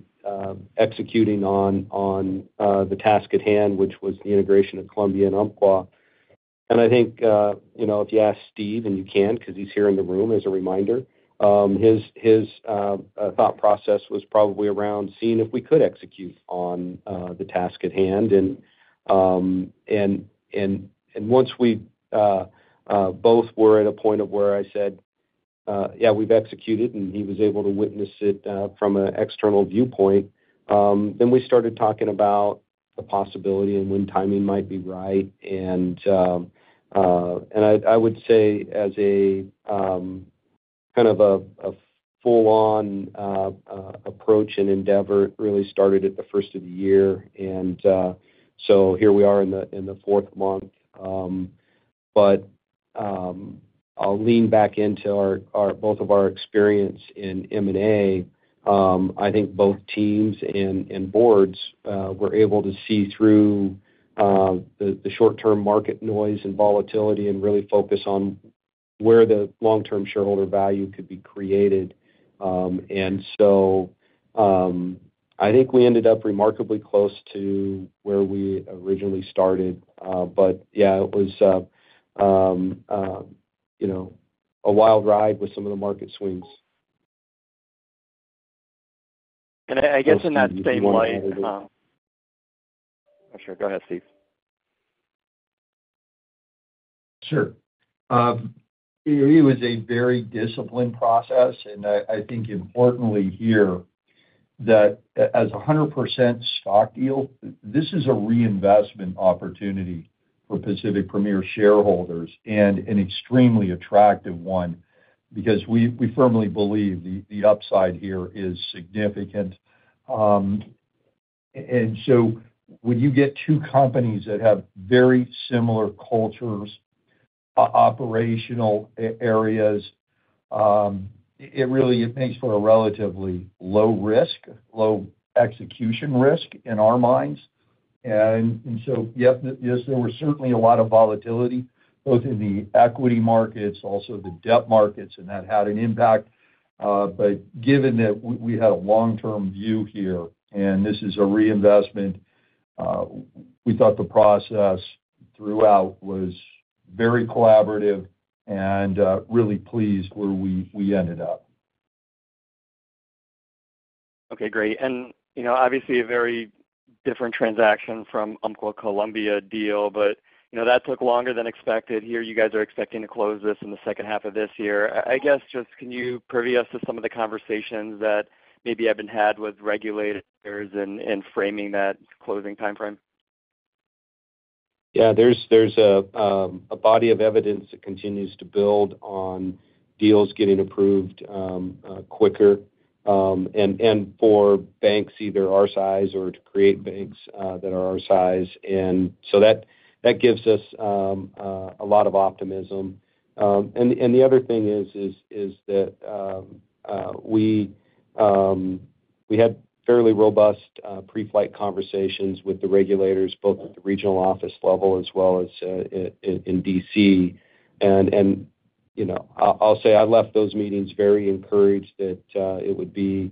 executing on the task at hand, which was the integration of Columbia and Umpqua. I think if you ask Steve, and you can because he's here in the room as a reminder, his thought process was probably around seeing if we could execute on the task at hand. Once we both were at a point of where I said, "Yeah, we've executed," and he was able to witness it from an external viewpoint, we started talking about the possibility and when timing might be right. I would say as a kind of a full-on approach and endeavor really started at the first of the year. Here we are in the fourth month. I'll lean back into both of our experience in M&A. I think both teams and boards were able to see through the short-term market noise and volatility and really focus on where the long-term shareholder value could be created. I think we ended up remarkably close to where we originally started. It was a wild ride with some of the market swings. I guess in that same light. I'm sure. Go ahead, Steve. Sure. It was a very disciplined process. I think importantly here that as a 100% stock deal, this is a reinvestment opportunity for Pacific Premier shareholders and an extremely attractive one because we firmly believe the upside here is significant. When you get two companies that have very similar cultures, operational areas, it really makes for a relatively low risk, low execution risk in our minds. Yes, there was certainly a lot of volatility, both in the equity markets, also the debt markets, and that had an impact. Given that we had a long-term view here, and this is a reinvestment, we thought the process throughout was very collaborative and really pleased where we ended up. Okay. Great. Obviously, a very different transaction from the Umpqua-Columbia deal, but that took longer than expected. Here, you guys are expecting to close this in the second half of this year. I guess just can you preview us to some of the conversations that maybe have been had with regulators in framing that closing timeframe? Yeah. There's a body of evidence that continues to build on deals getting approved quicker and for banks either our size or to create banks that are our size. That gives us a lot of optimism. The other thing is that we had fairly robust pre-flight conversations with the regulators, both at the regional office level as well as in D.C. I'll say I left those meetings very encouraged that it would be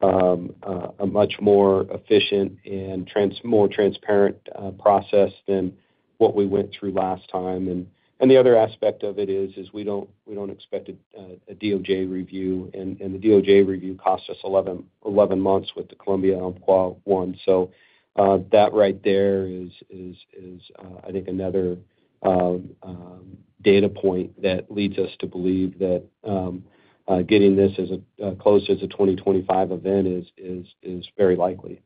a much more efficient and more transparent process than what we went through last time. The other aspect of it is we don't expect a DOJ review. The DOJ review cost us 11 months with the Columbia-Umpqua one. That right there is, I think, another data point that leads us to believe that getting this as close as a 2025 event is very likely.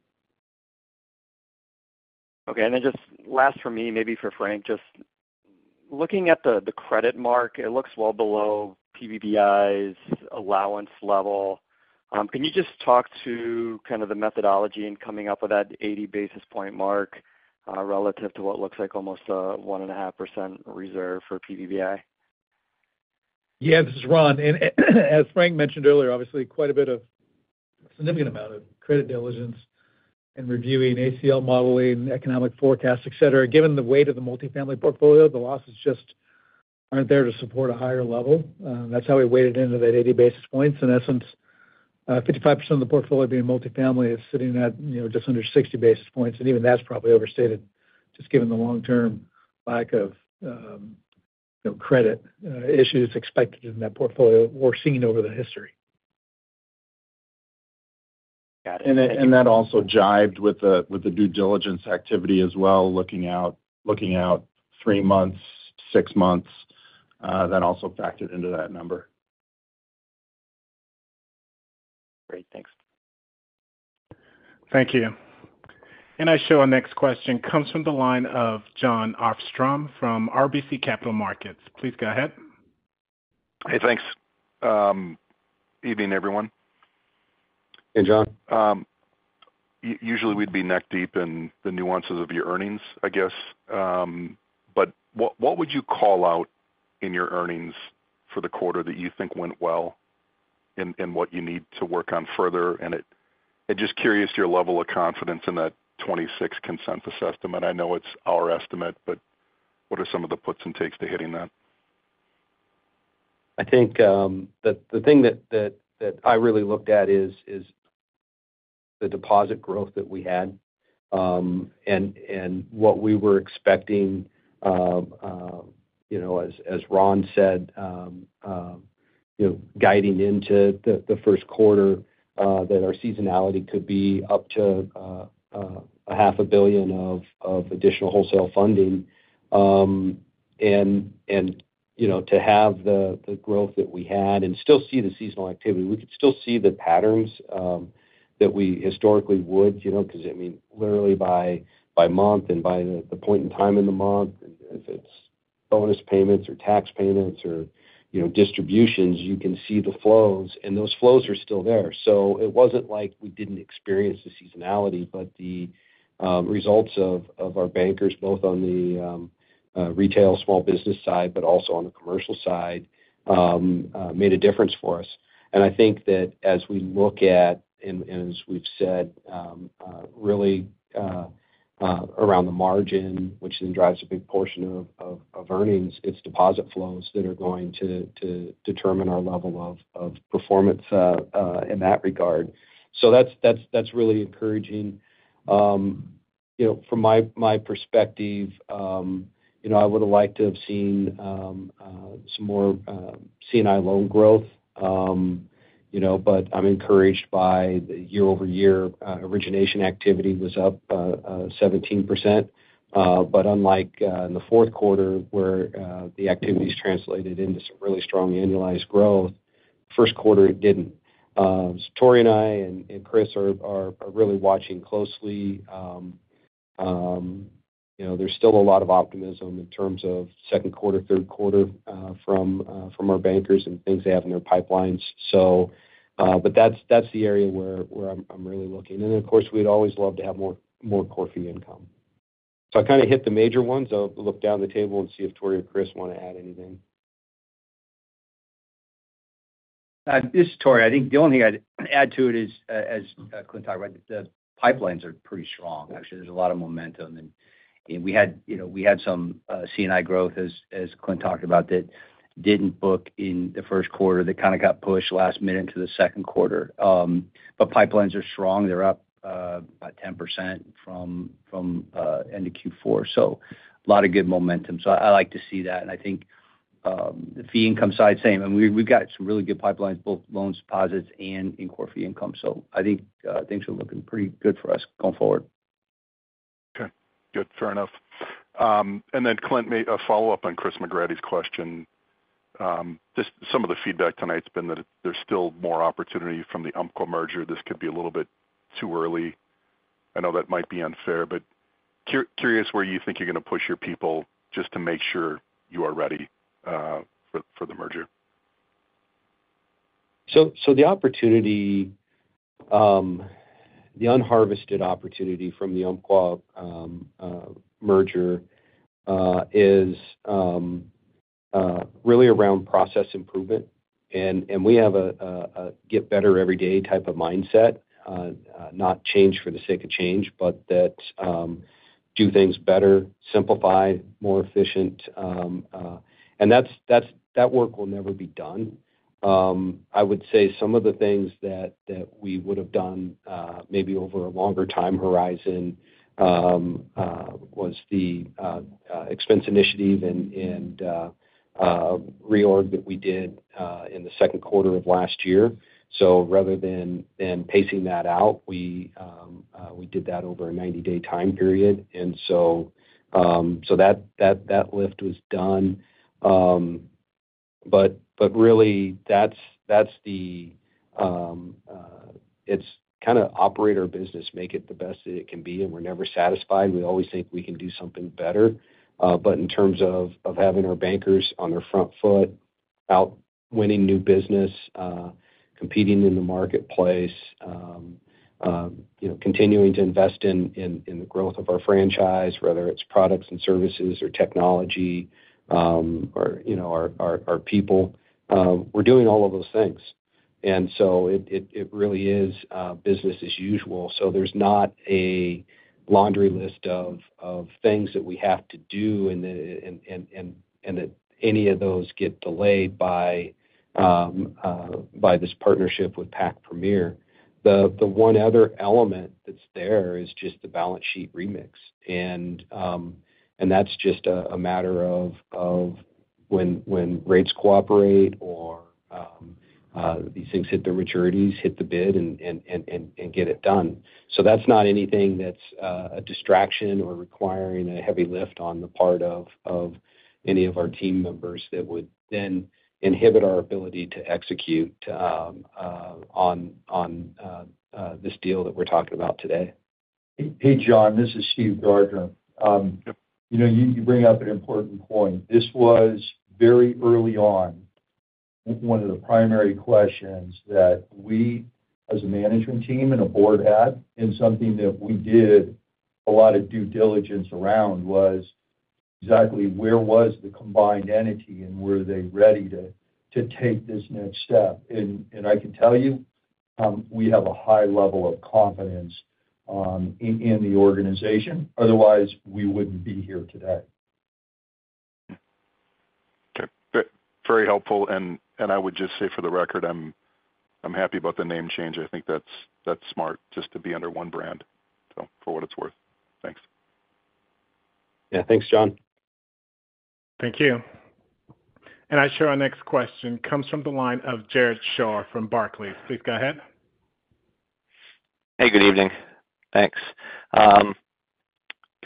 Okay. Just last for me, maybe for Frank, just looking at the credit mark, it looks well below PPBI's allowance level. Can you just talk to kind of the methodology in coming up with that 80 basis point mark relative to what looks like almost a 1.5% reserve for PPBI? Yeah. This is Ron. As Frank mentioned earlier, obviously, quite a bit of a significant amount of credit diligence and reviewing ACL modeling, economic forecasts, etc. Given the weight of the multifamily portfolio, the losses just are not there to support a higher level. That is how we weighed it into that 80 basis points. In essence, 55% of the portfolio being multifamily is sitting at just under 60 basis points. Even that is probably overstated just given the long-term lack of credit issues expected in that portfolio we are seeing over the history. Got it. That also jived with the due diligence activity as well, looking out three months, six months, that also factored into that number. Great. Thanks. Thank you. I show our next question comes from the line of Jon Arfstrom from RBC Capital Markets. Please go ahead. Hey, thanks. Good evening, everyone. Hey, John. Usually, we'd be neck deep in the nuances of your earnings, I guess. What would you call out in your earnings for the quarter that you think went well and what you need to work on further? Just curious your level of confidence in that 26 consensus estimate. I know it's our estimate, but what are some of the puts and takes to hitting that? I think the thing that I really looked at is the deposit growth that we had and what we were expecting, as Ron said, guiding into the first quarter, that our seasonality could be up to $0.5 billion of additional wholesale funding. To have the growth that we had and still see the seasonal activity, we could still see the patterns that we historically would because, I mean, literally by month and by the point in time in the month, if it's bonus payments or tax payments or distributions, you can see the flows. Those flows are still there. It wasn't like we didn't experience the seasonality, but the results of our bankers, both on the retail small business side but also on the commercial side, made a difference for us. I think that as we look at, and as we've said, really around the margin, which then drives a big portion of earnings, it's deposit flows that are going to determine our level of performance in that regard. That's really encouraging. From my perspective, I would have liked to have seen some more C&I loan growth, but I'm encouraged by the year-over-year origination activity was up 17%. Unlike in the fourth quarter, where the activity translated into some really strong annualized growth, first quarter, it didn't. Tory and I and Chris are really watching closely. There's still a lot of optimism in terms of second quarter, third quarter from our bankers and things they have in their pipelines. That's the area where I'm really looking. Of course, we'd always love to have more fee income. I kind of hit the major ones. I'll look down the table and see if Tory or Chris want to add anything. This is Tory. I think the only thing I'd add to it is, as Clint talked about, the pipelines are pretty strong. Actually, there's a lot of momentum. We had some C&I growth, as Clint talked about, that did not book in the first quarter that kind of got pushed last minute into the second quarter. Pipelines are strong. They are up about 10% from end of Q4. A lot of good momentum. I like to see that. I think the fee income side is the same. We have some really good pipelines, both loans, deposits, and in core fee income. I think things are looking pretty good for us going forward. Okay. Good. Fair enough. Clint, a follow-up on Chris McGratty's question. Just some of the feedback tonight's been that there's still more opportunity from the Umpqua merger. This could be a little bit too early. I know that might be unfair, but curious where you think you're going to push your people just to make sure you are ready for the merger. The opportunity, the unharvested opportunity from the Umpqua merger is really around process improvement. We have a get better every day type of mindset, not change for the sake of change, but that do things better, simplify, more efficient. That work will never be done. I would say some of the things that we would have done maybe over a longer time horizon was the expense initiative and reorg that we did in the second quarter of last year. Rather than pacing that out, we did that over a 90-day time period. That lift was done. Really, it's kind of operate our business, make it the best that it can be. We're never satisfied. We always think we can do something better. In terms of having our bankers on their front foot, out winning new business, competing in the marketplace, continuing to invest in the growth of our franchise, whether it's products and services or technology or our people, we're doing all of those things. It really is business as usual. There's not a laundry list of things that we have to do and that any of those get delayed by this partnership with Pacific Premier. The one other element that's there is just the balance sheet remix. That's just a matter of when rates cooperate or these things hit their maturities, hit the bid, and get it done. That's not anything that's a distraction or requiring a heavy lift on the part of any of our team members that would then inhibit our ability to execute on this deal that we're talking about today. Hey, John. This is Steve Gardner. You bring up an important point. This was very early on one of the primary questions that we, as a management team and a board had, and something that we did a lot of due diligence around was exactly where was the combined entity and were they ready to take this next step. I can tell you we have a high level of confidence in the organization. Otherwise, we wouldn't be here today. Okay. Very helpful. I would just say for the record, I'm happy about the name change. I think that's smart just to be under one brand, so for what it's worth. Thanks. Yeah. Thanks, John. Thank you. I show our next question comes from the line of Jared Shaw from Barclays. Please go ahead. Hey, good evening. Thanks.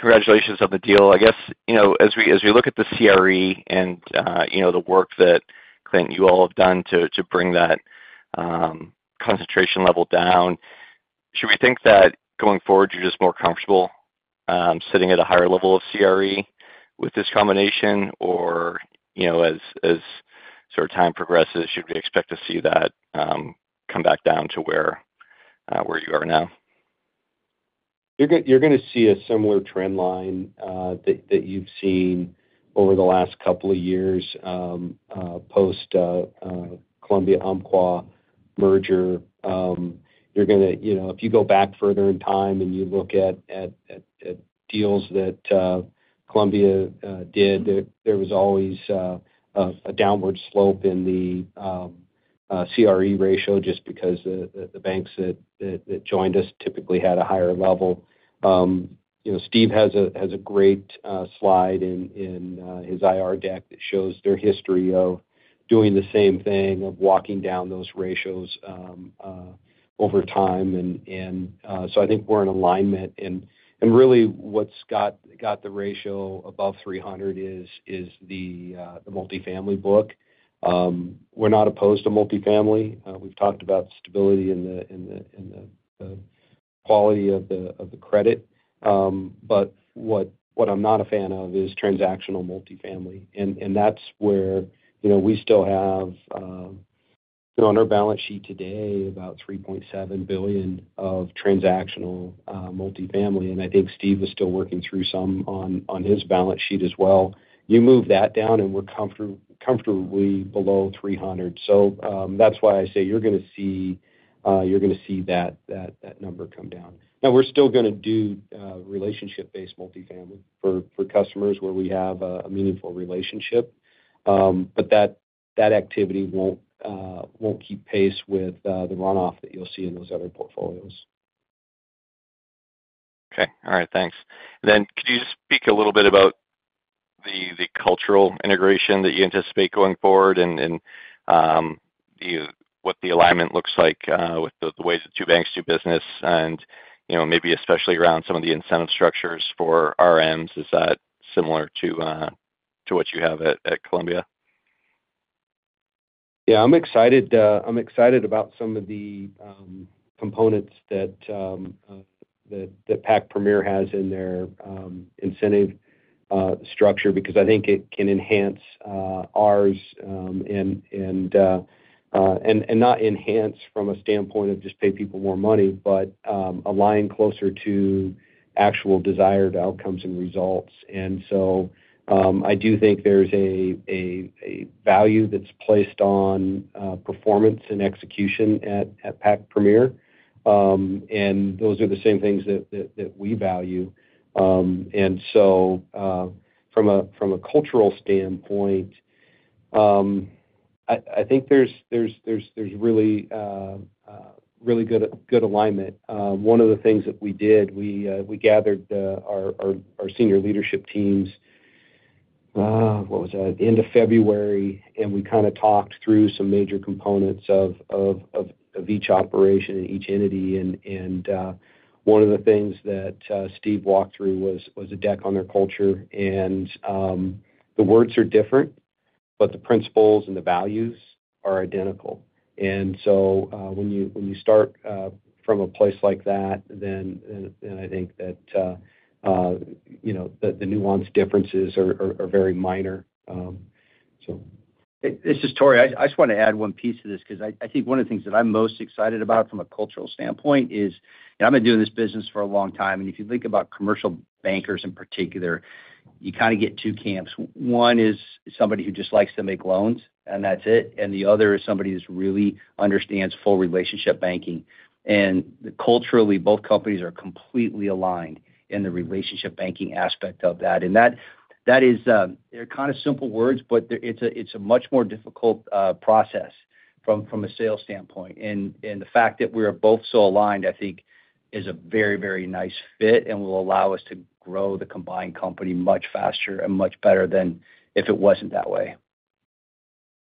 Congratulations on the deal. I guess as we look at the CRE and the work that, Clint, you all have done to bring that concentration level down, should we think that going forward, you're just more comfortable sitting at a higher level of CRE with this combination? Or as sort of time progresses, should we expect to see that come back down to where you are now? You're going to see a similar trend line that you've seen over the last couple of years post-Columbia-Umpqua merger. You're going to, if you go back further in time and you look at deals that Columbia did, there was always a downward slope in the CRE ratio just because the banks that joined us typically had a higher level. Steve has a great slide in his IR deck that shows their history of doing the same thing of walking down those ratios over time. I think we're in alignment. Really, what's got the ratio above 300% is the multifamily book. We're not opposed to multifamily. We've talked about stability in the quality of the credit. What I'm not a fan of is transactional multifamily. That's where we still have on our balance sheet today about $3.7 billion of transactional multifamily. I think Steve is still working through some on his balance sheet as well. You move that down, and we're comfortably below 300. That is why I say you're going to see that number come down. Now, we're still going to do relationship-based multifamily for customers where we have a meaningful relationship. That activity won't keep pace with the runoff that you'll see in those other portfolios. Okay. All right. Thanks. Could you just speak a little bit about the cultural integration that you anticipate going forward and what the alignment looks like with the way the two banks do business and maybe especially around some of the incentive structures for RMs? Is that similar to what you have at Columbia? Yeah. I'm excited about some of the components that Pacific Premier has in their incentive structure because I think it can enhance ours and not enhance from a standpoint of just pay people more money, but align closer to actual desired outcomes and results. I do think there's a value that's placed on performance and execution at Pacific Premier. Those are the same things that we value. From a cultural standpoint, I think there's really good alignment. One of the things that we did, we gathered our senior leadership teams, what was that? At the end of February, and we kind of talked through some major components of each operation and each entity. One of the things that Steve walked through was a deck on their culture. The words are different, but the principles and the values are identical. When you start from a place like that, I think that the nuanced differences are very minor. This is Tory. I just want to add one piece to this because I think one of the things that I'm most excited about from a cultural standpoint is I've been doing this business for a long time. If you think about commercial bankers in particular, you kind of get two camps. One is somebody who just likes to make loans, and that's it. The other is somebody who really understands full relationship banking. Culturally, both companies are completely aligned in the relationship banking aspect of that. They are kind of simple words, but it is a much more difficult process from a sales standpoint. The fact that we are both so aligned, I think, is a very, very nice fit and will allow us to grow the combined company much faster and much better than if it was not that way.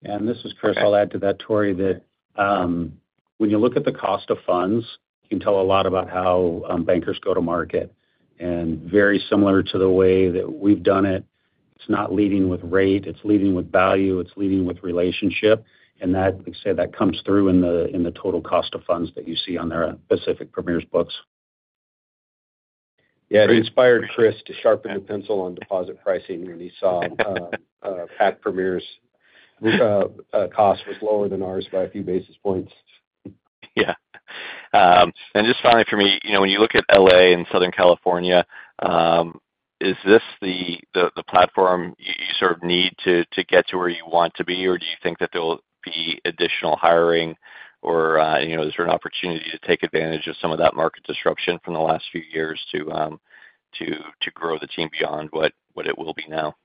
Yeah. This is Chris. I'll add to that, Tory, that when you look at the cost of funds, you can tell a lot about how bankers go to market. Very similar to the way that we've done it, it's not leading with rate. It's leading with value. It's leading with relationship. Like I say, that comes through in the total cost of funds that you see on Pacific Premier's books. Yeah. It inspired Chris to sharpen the pencil on deposit pricing when he saw Pacific Premier's cost was lower than ours by a few basis points. Yeah. Just finally for me, when you look at L.A. and Southern California, is this the platform you sort of need to get to where you want to be? Or do you think that there will be additional hiring? Or is there an opportunity to take advantage of some of that market disruption from the last few years to grow the team beyond what it will be now?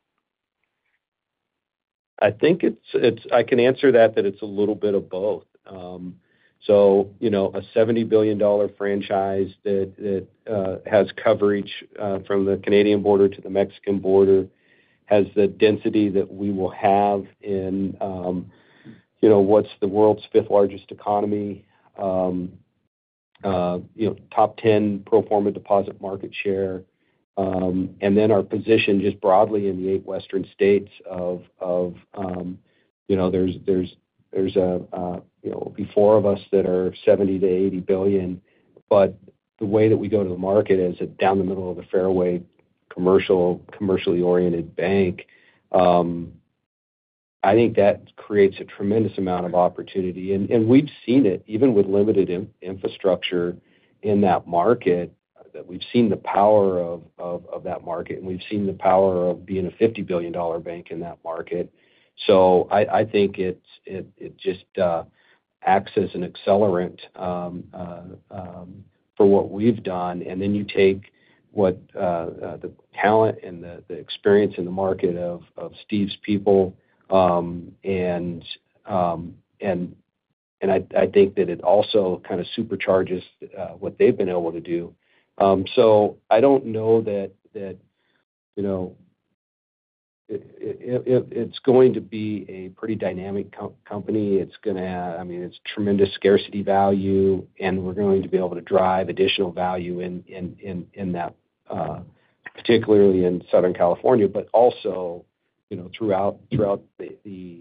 I think I can answer that that it's a little bit of both. A $70 billion franchise that has coverage from the Canadian border to the Mexican border has the density that we will have in what's the world's fifth largest economy, top 10 pro forma deposit market share. Our position just broadly in the eight western states of there's a it'll be four of us that are $70 billion-$80 billion. The way that we go to the market as a down the middle of the fairway commercially oriented bank, I think that creates a tremendous amount of opportunity. We've seen it, even with limited infrastructure in that market, that we've seen the power of that market. We've seen the power of being a $50 billion bank in that market. I think it just acts as an accelerant for what we've done. You take the talent and the experience in the market of Steve's people. I think that it also kind of supercharges what they've been able to do. I don't know that it's going to be a pretty dynamic company. It's going to, I mean, it's tremendous scarcity value. We're going to be able to drive additional value in that, particularly in Southern California, but also throughout the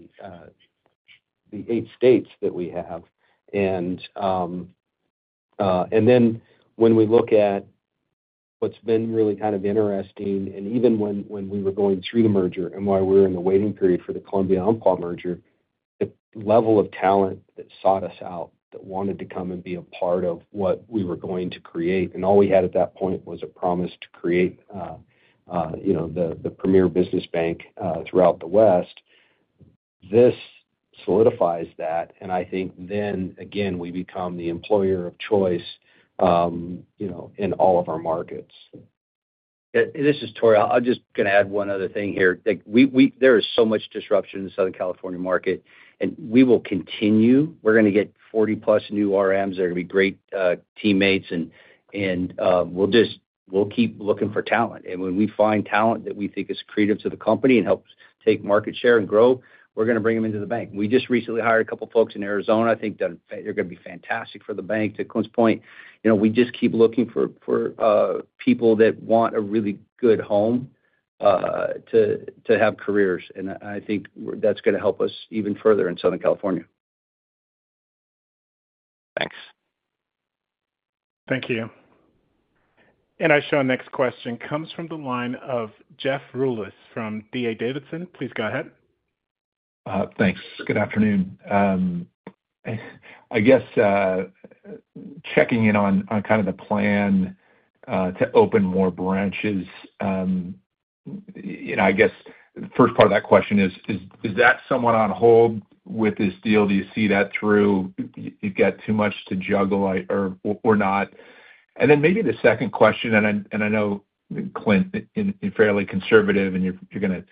eight states that we have. When we look at what's been really kind of interesting, and even when we were going through the merger and why we're in the waiting period for the Columbia-Umpqua merger, the level of talent that sought us out that wanted to come and be a part of what we were going to create. All we had at that point was a promise to create the premier business bank throughout the west. This solidifies that. I think then, again, we become the employer of choice in all of our markets. This is Tory. I'm just going to add one other thing here. There is so much disruption in the Southern California market. We will continue. We're going to get 40+ new RMs. They're going to be great teammates. We'll keep looking for talent. When we find talent that we think is creative to the company and helps take market share and grow, we're going to bring them into the bank. We just recently hired a couple of folks in Arizona. I think they're going to be fantastic for the bank. To Clint's point, we just keep looking for people that want a really good home to have careers. I think that's going to help us even further in Southern California. Thanks. Thank you. I show our next question comes from the line of Jeff Rulis from D.A. Davidson. Please go ahead. Thanks. Good afternoon. I guess checking in on kind of the plan to open more branches. I guess the first part of that question is, is that somewhat on hold with this deal? Do you see that through? You've got too much to juggle or not? Maybe the second question, and I know, Clint, you're fairly conservative, and you're going to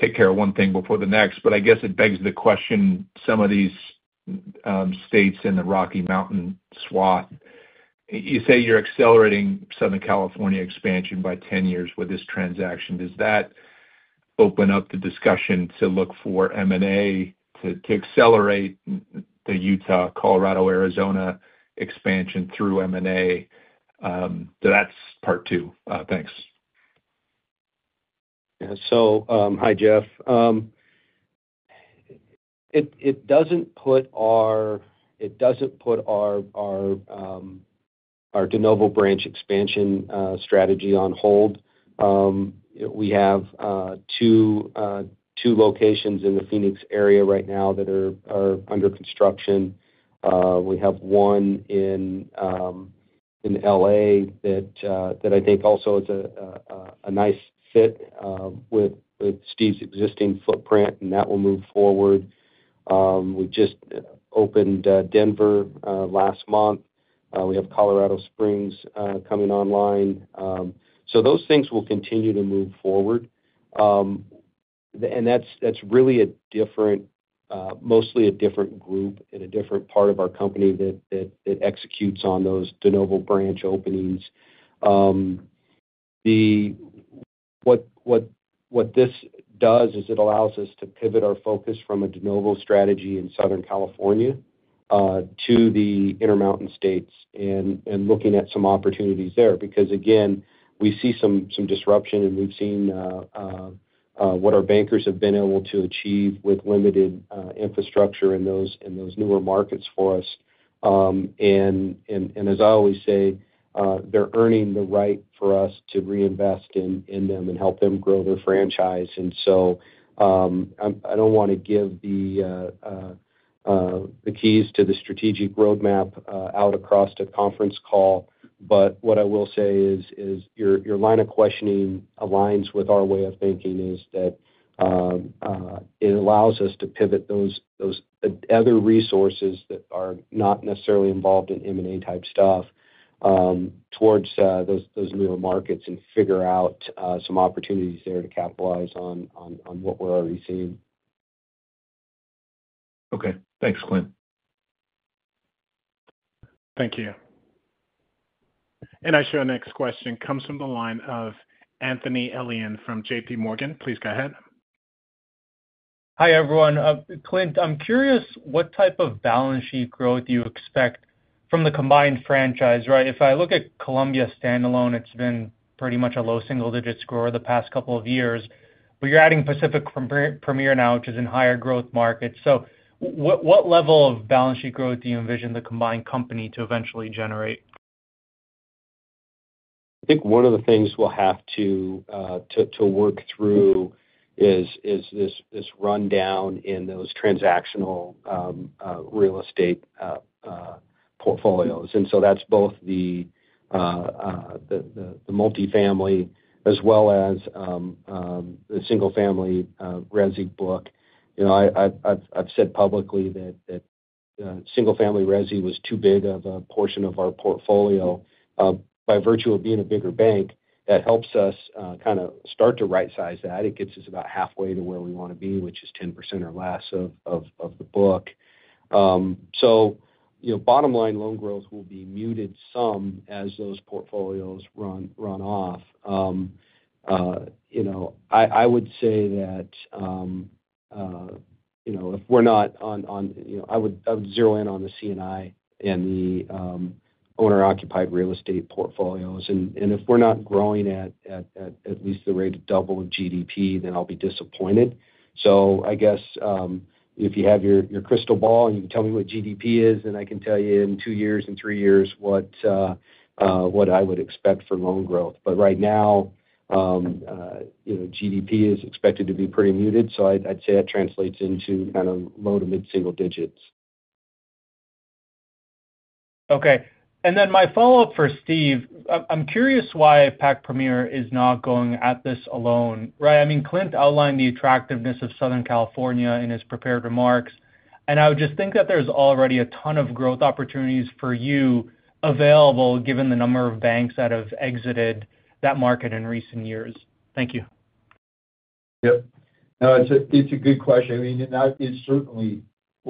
take care of one thing before the next. I guess it begs the question, some of these states in the Rocky Mountain swath, you say you're accelerating Southern California expansion by 10 years with this transaction. Does that open up the discussion to look for M&A to accelerate the Utah, Colorado, Arizona expansion through M&A? That's part two. Thanks. Yeah. Hi, Jeff. It doesn't put our de novo branch expansion strategy on hold. We have two locations in the Phoenix area right now that are under construction. We have one in L.A. that I think also is a nice fit with Steve's existing footprint, and that will move forward. We just opened Denver last month. We have Colorado Springs coming online. Those things will continue to move forward. That's really mostly a different group and a different part of our company that executes on those de novo branch openings. What this does is it allows us to pivot our focus from a de novo strategy in Southern California to the Intermountain states and looking at some opportunities there because, again, we see some disruption. We've seen what our bankers have been able to achieve with limited infrastructure in those newer markets for us. As I always say, they're earning the right for us to reinvest in them and help them grow their franchise. I do not want to give the keys to the strategic roadmap out across a conference call. What I will say is your line of questioning aligns with our way of thinking in that it allows us to pivot those other resources that are not necessarily involved in M&A type stuff towards those newer markets and figure out some opportunities there to capitalize on what we're already seeing. Okay. Thanks, Clint. Thank you. I show our next question comes from the line of Anthony Elian from JPMorgan. Please go ahead. Hi everyone. Clint, I'm curious what type of balance sheet growth you expect from the combined franchise, right? If I look at Columbia standalone, it's been pretty much a low single-digit score the past couple of years. But you're adding Pacific Premier now, which is in higher growth markets. So what level of balance sheet growth do you envision the combined company to eventually generate? I think one of the things we'll have to work through is this rundown in those transactional real estate portfolios. That is both the multifamily as well as the single-family resi book. I've said publicly that single-family resi was too big of a portion of our portfolio. By virtue of being a bigger bank, that helps us kind of start to right-size that. It gets us about halfway to where we want to be, which is 10% or less of the book. Bottom line, loan growth will be muted some as those portfolios run off. I would say that if we're not on, I would zero in on the C&I and the owner-occupied real estate portfolios. If we're not growing at at least the rate of double of GDP, then I'll be disappointed. I guess if you have your crystal ball and you can tell me what GDP is, then I can tell you in two years and three years what I would expect for loan growth. Right now, GDP is expected to be pretty muted. I'd say it translates into kind of low to mid-single digits. Okay. My follow-up for Steve, I'm curious why Pacific Premier is not going at this alone, right? I mean, Clint outlined the attractiveness of Southern California in his prepared remarks. I would just think that there's already a ton of growth opportunities for you available given the number of banks that have exited that market in recent years. Thank you. Yep. No, it's a good question. I mean, it's certainly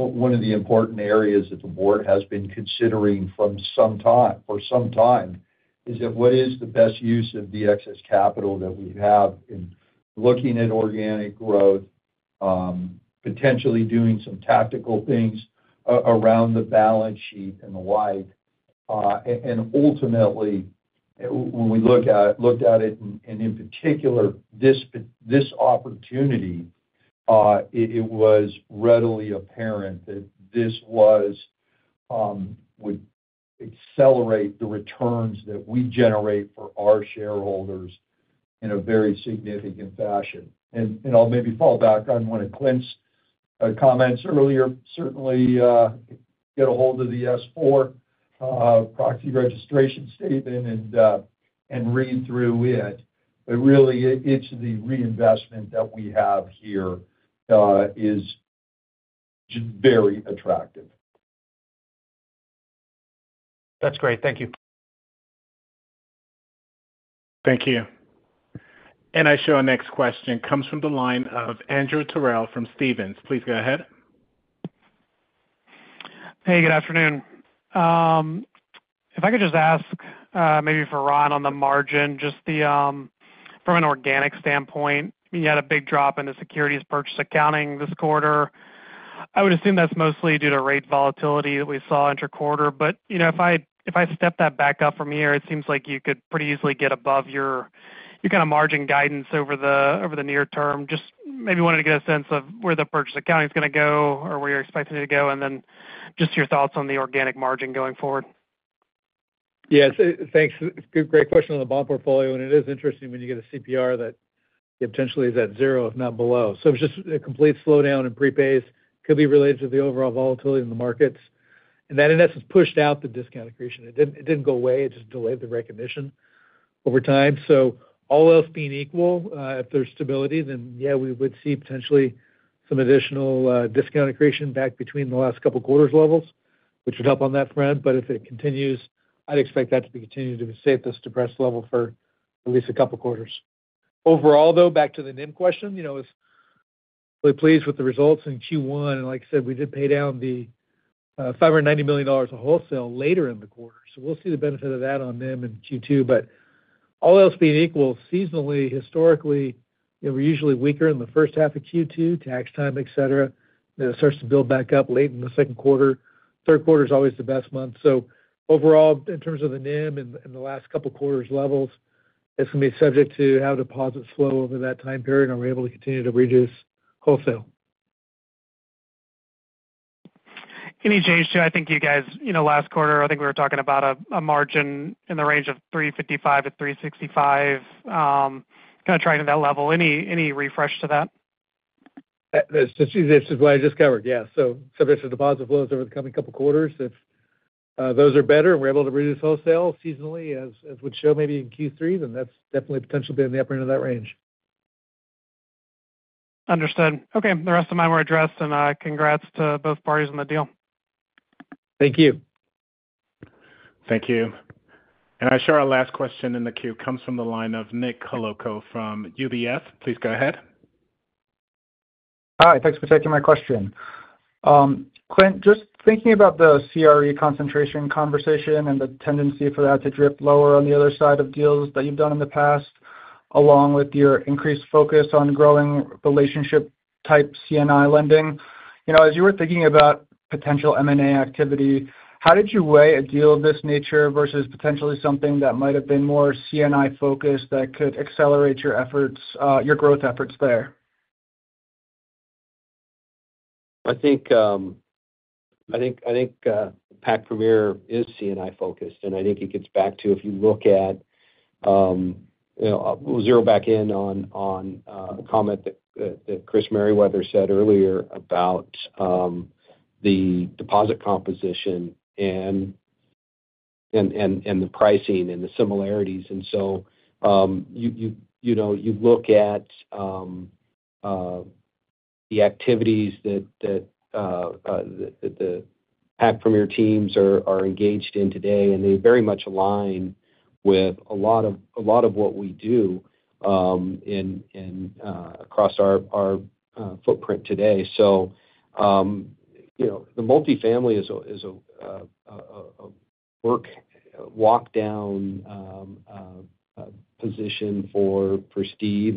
one of the important areas that the board has been considering for some time is that what is the best use of the excess capital that we have in looking at organic growth, potentially doing some tactical things around the balance sheet and the like. Ultimately, when we looked at it, and in particular, this opportunity, it was readily apparent that this would accelerate the returns that we generate for our shareholders in a very significant fashion. I'll maybe fall back on one of Clint's comments earlier. Certainly, get a hold of the S4 proxy registration statement and read through it. Really, it's the reinvestment that we have here is very attractive. That's great. Thank you. Thank you. I show our next question comes from the line of Andrew Terrell from Stephens. Please go ahead. Hey, good afternoon. If I could just ask maybe for Ron on the margin, just from an organic standpoint, you had a big drop in the securities purchase accounting this quarter. I would assume that's mostly due to rate volatility that we saw interquarter. If I step that back up from here, it seems like you could pretty easily get above your kind of margin guidance over the near term. Just maybe wanted to get a sense of where the purchase accounting is going to go or where you're expecting it to go, and then just your thoughts on the organic margin going forward. Yeah. Thanks. It's a great question on the bond portfolio. It is interesting when you get a CPR that potentially is at zero, if not below. It was just a complete slowdown in prepays, could be related to the overall volatility in the markets. That, in essence, pushed out the discount accretion. It did not go away. It just delayed the recognition over time. All else being equal, if there is stability, then yeah, we would see potentially some additional discount accretion back between the last couple of quarters levels, which would help on that front. If it continues, I would expect that to continue to be at this depressed level for at least a couple of quarters. Overall, though, back to the NIM question, I was really pleased with the results in Q1. Like I said, we did pay down the $590 million of wholesale later in the quarter. We will see the benefit of that on NIM in Q2. All else being equal, seasonally, historically, we are usually weaker in the first half of Q2, tax time, etc. It starts to build back up late in the second quarter. Third quarter is always the best month. Overall, in terms of the NIM and the last couple of quarters levels, it is going to be subject to how deposits flow over that time period. Are we able to continue to reduce wholesale? Any change, too? I think you guys, last quarter, I think we were talking about a margin in the range of 355-365, kind of trying to that level. Any refresh to that? This is what I just covered. Yeah. Subject to deposit flows over the coming couple of quarters, if those are better and we're able to reduce wholesale seasonally, as would show maybe in Q3, then that's definitely potentially been in the upper end of that range. Understood. Okay. The rest of mine were addressed. Congrats to both parties on the deal. Thank you. Thank you. I show our last question in the queue comes from the line of Nick Coloco from UBS. Please go ahead. Hi. Thanks for taking my question. Clint, just thinking about the CRE concentration conversation and the tendency for that to drift lower on the other side of deals that you've done in the past, along with your increased focus on growing relationship-type C&I lending. As you were thinking about potential M&A activity, how did you weigh a deal of this nature versus potentially something that might have been more C&I-focused that could accelerate your growth efforts there? I think Pacific Premier is C&I-focused. I think it gets back to if you look at—we'll zero back in on a comment that Chris Merrywell said earlier about the deposit composition and the pricing and the similarities. You look at the activities that the Pacific Premier teams are engaged in today, and they very much align with a lot of what we do across our footprint today. The multifamily is a work walk-down position for Steve.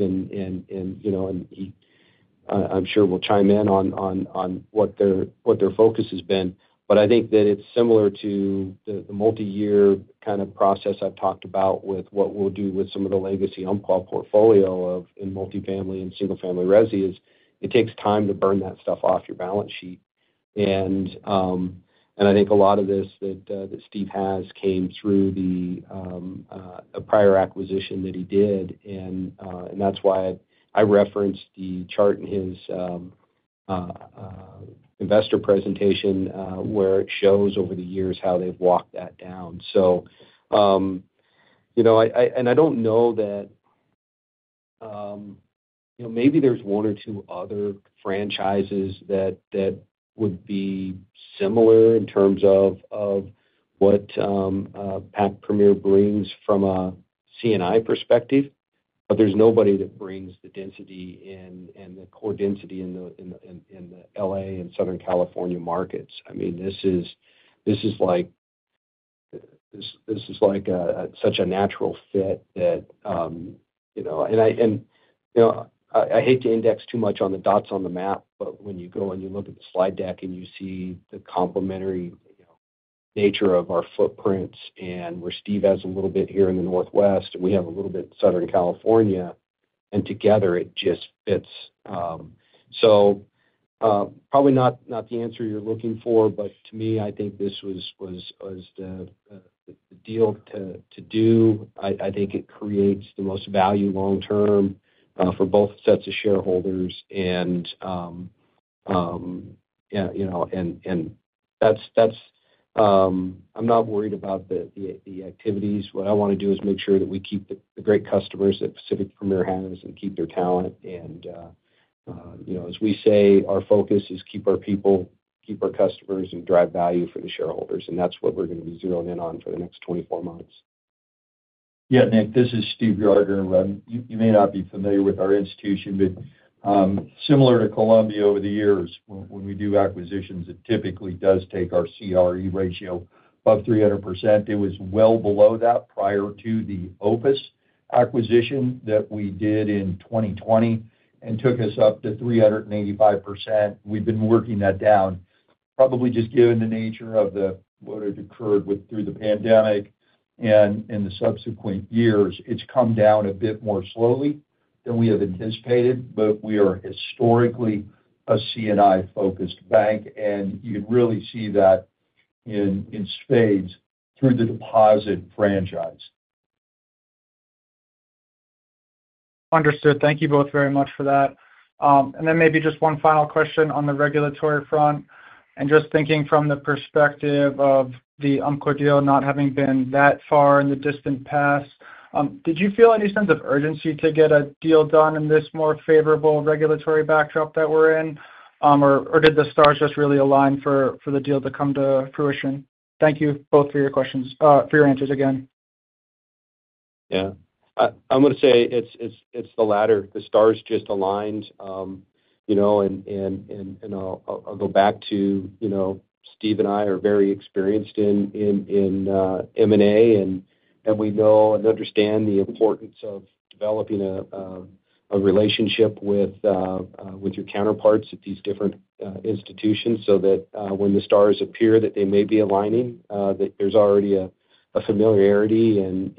I'm sure we'll chime in on what their focus has been. I think that it's similar to the multi-year kind of process I've talked about with what we'll do with some of the legacy Umpqua portfolio in multifamily and single-family resi, as it takes time to burn that stuff off your balance sheet. I think a lot of this that Steve has came through the prior acquisition that he did. That is why I referenced the chart in his investor presentation where it shows over the years how they have walked that down. I do not know that maybe there is one or two other franchises that would be similar in terms of what Pacific Premier brings from a C&I perspective. There is nobody that brings the density and the core density in the L.A. and Southern California markets. I mean, this is like such a natural fit that I hate to index too much on the dots on the map, but when you go and you look at the slide deck and you see the complementary nature of our footprints and where Steve has a little bit here in the Northwest and we have a little bit in Southern California, together it just fits. Probably not the answer you're looking for. To me, I think this was the deal to do. I think it creates the most value long-term for both sets of shareholders. I'm not worried about the activities. What I want to do is make sure that we keep the great customers that Pacific Premier has and keep their talent. As we say, our focus is keep our people, keep our customers, and drive value for the shareholders. That is what we're going to be zeroing in on for the next 24 months. Yeah, Nick, this is Steve Gardner. You may not be familiar with our institution, but similar to Columbia over the years, when we do acquisitions, it typically does take our CRE ratio above 300%. It was well below that prior to the Opus acquisition that we did in 2020 and took us up to 385%. We've been working that down. Probably just given the nature of what had occurred through the pandemic and in the subsequent years, it's come down a bit more slowly than we have anticipated. We are historically a C&I-focused bank. You can really see that in spades through the deposit franchise. Understood. Thank you both very much for that. Maybe just one final question on the regulatory front. Just thinking from the perspective of the Umpqua deal not having been that far in the distant past, did you feel any sense of urgency to get a deal done in this more favorable regulatory backdrop that we're in? Did the stars just really align for the deal to come to fruition? Thank you both for your answers again. Yeah. I'm going to say it's the latter. The stars just aligned. I'll go back to Steve and I are very experienced in M&A. We know and understand the importance of developing a relationship with your counterparts at these different institutions so that when the stars appear that they may be aligning, there's already a familiarity and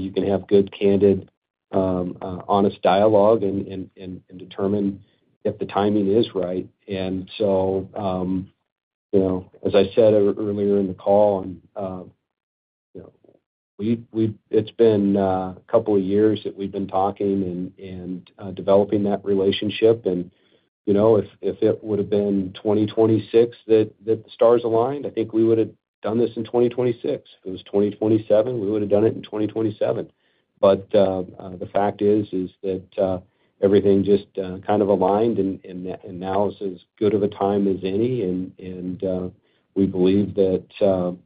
you can have good, candid, honest dialogue and determine if the timing is right. As I said earlier in the call, it's been a couple of years that we've been talking and developing that relationship. If it would have been 2026 that the stars aligned, I think we would have done this in 2026. If it was 2027, we would have done it in 2027. The fact is that everything just kind of aligned. Now is as good of a time as any. We believe that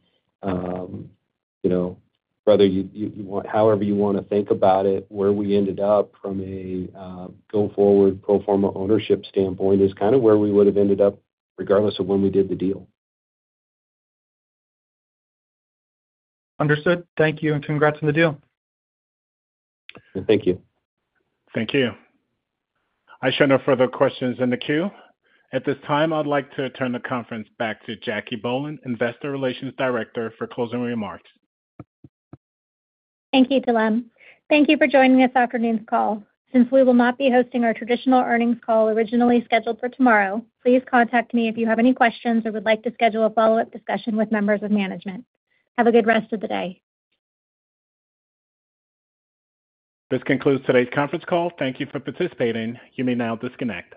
however you want to think about it, where we ended up from a go-forward pro forma ownership standpoint is kind of where we would have ended up regardless of when we did the deal. Understood. Thank you. Congrats on the deal. Thank you. Thank you. I show no further questions in the queue. At this time, I'd like to turn the conference back to Jacque Bohlen, Investor Relations Director, for closing remarks. Thank you, Delim. Thank you for joining this afternoon's call. Since we will not be hosting our traditional earnings call originally scheduled for tomorrow, please contact me if you have any questions or would like to schedule a follow-up discussion with members of management. Have a good rest of the day. This concludes today's conference call. Thank you for participating. You may now disconnect.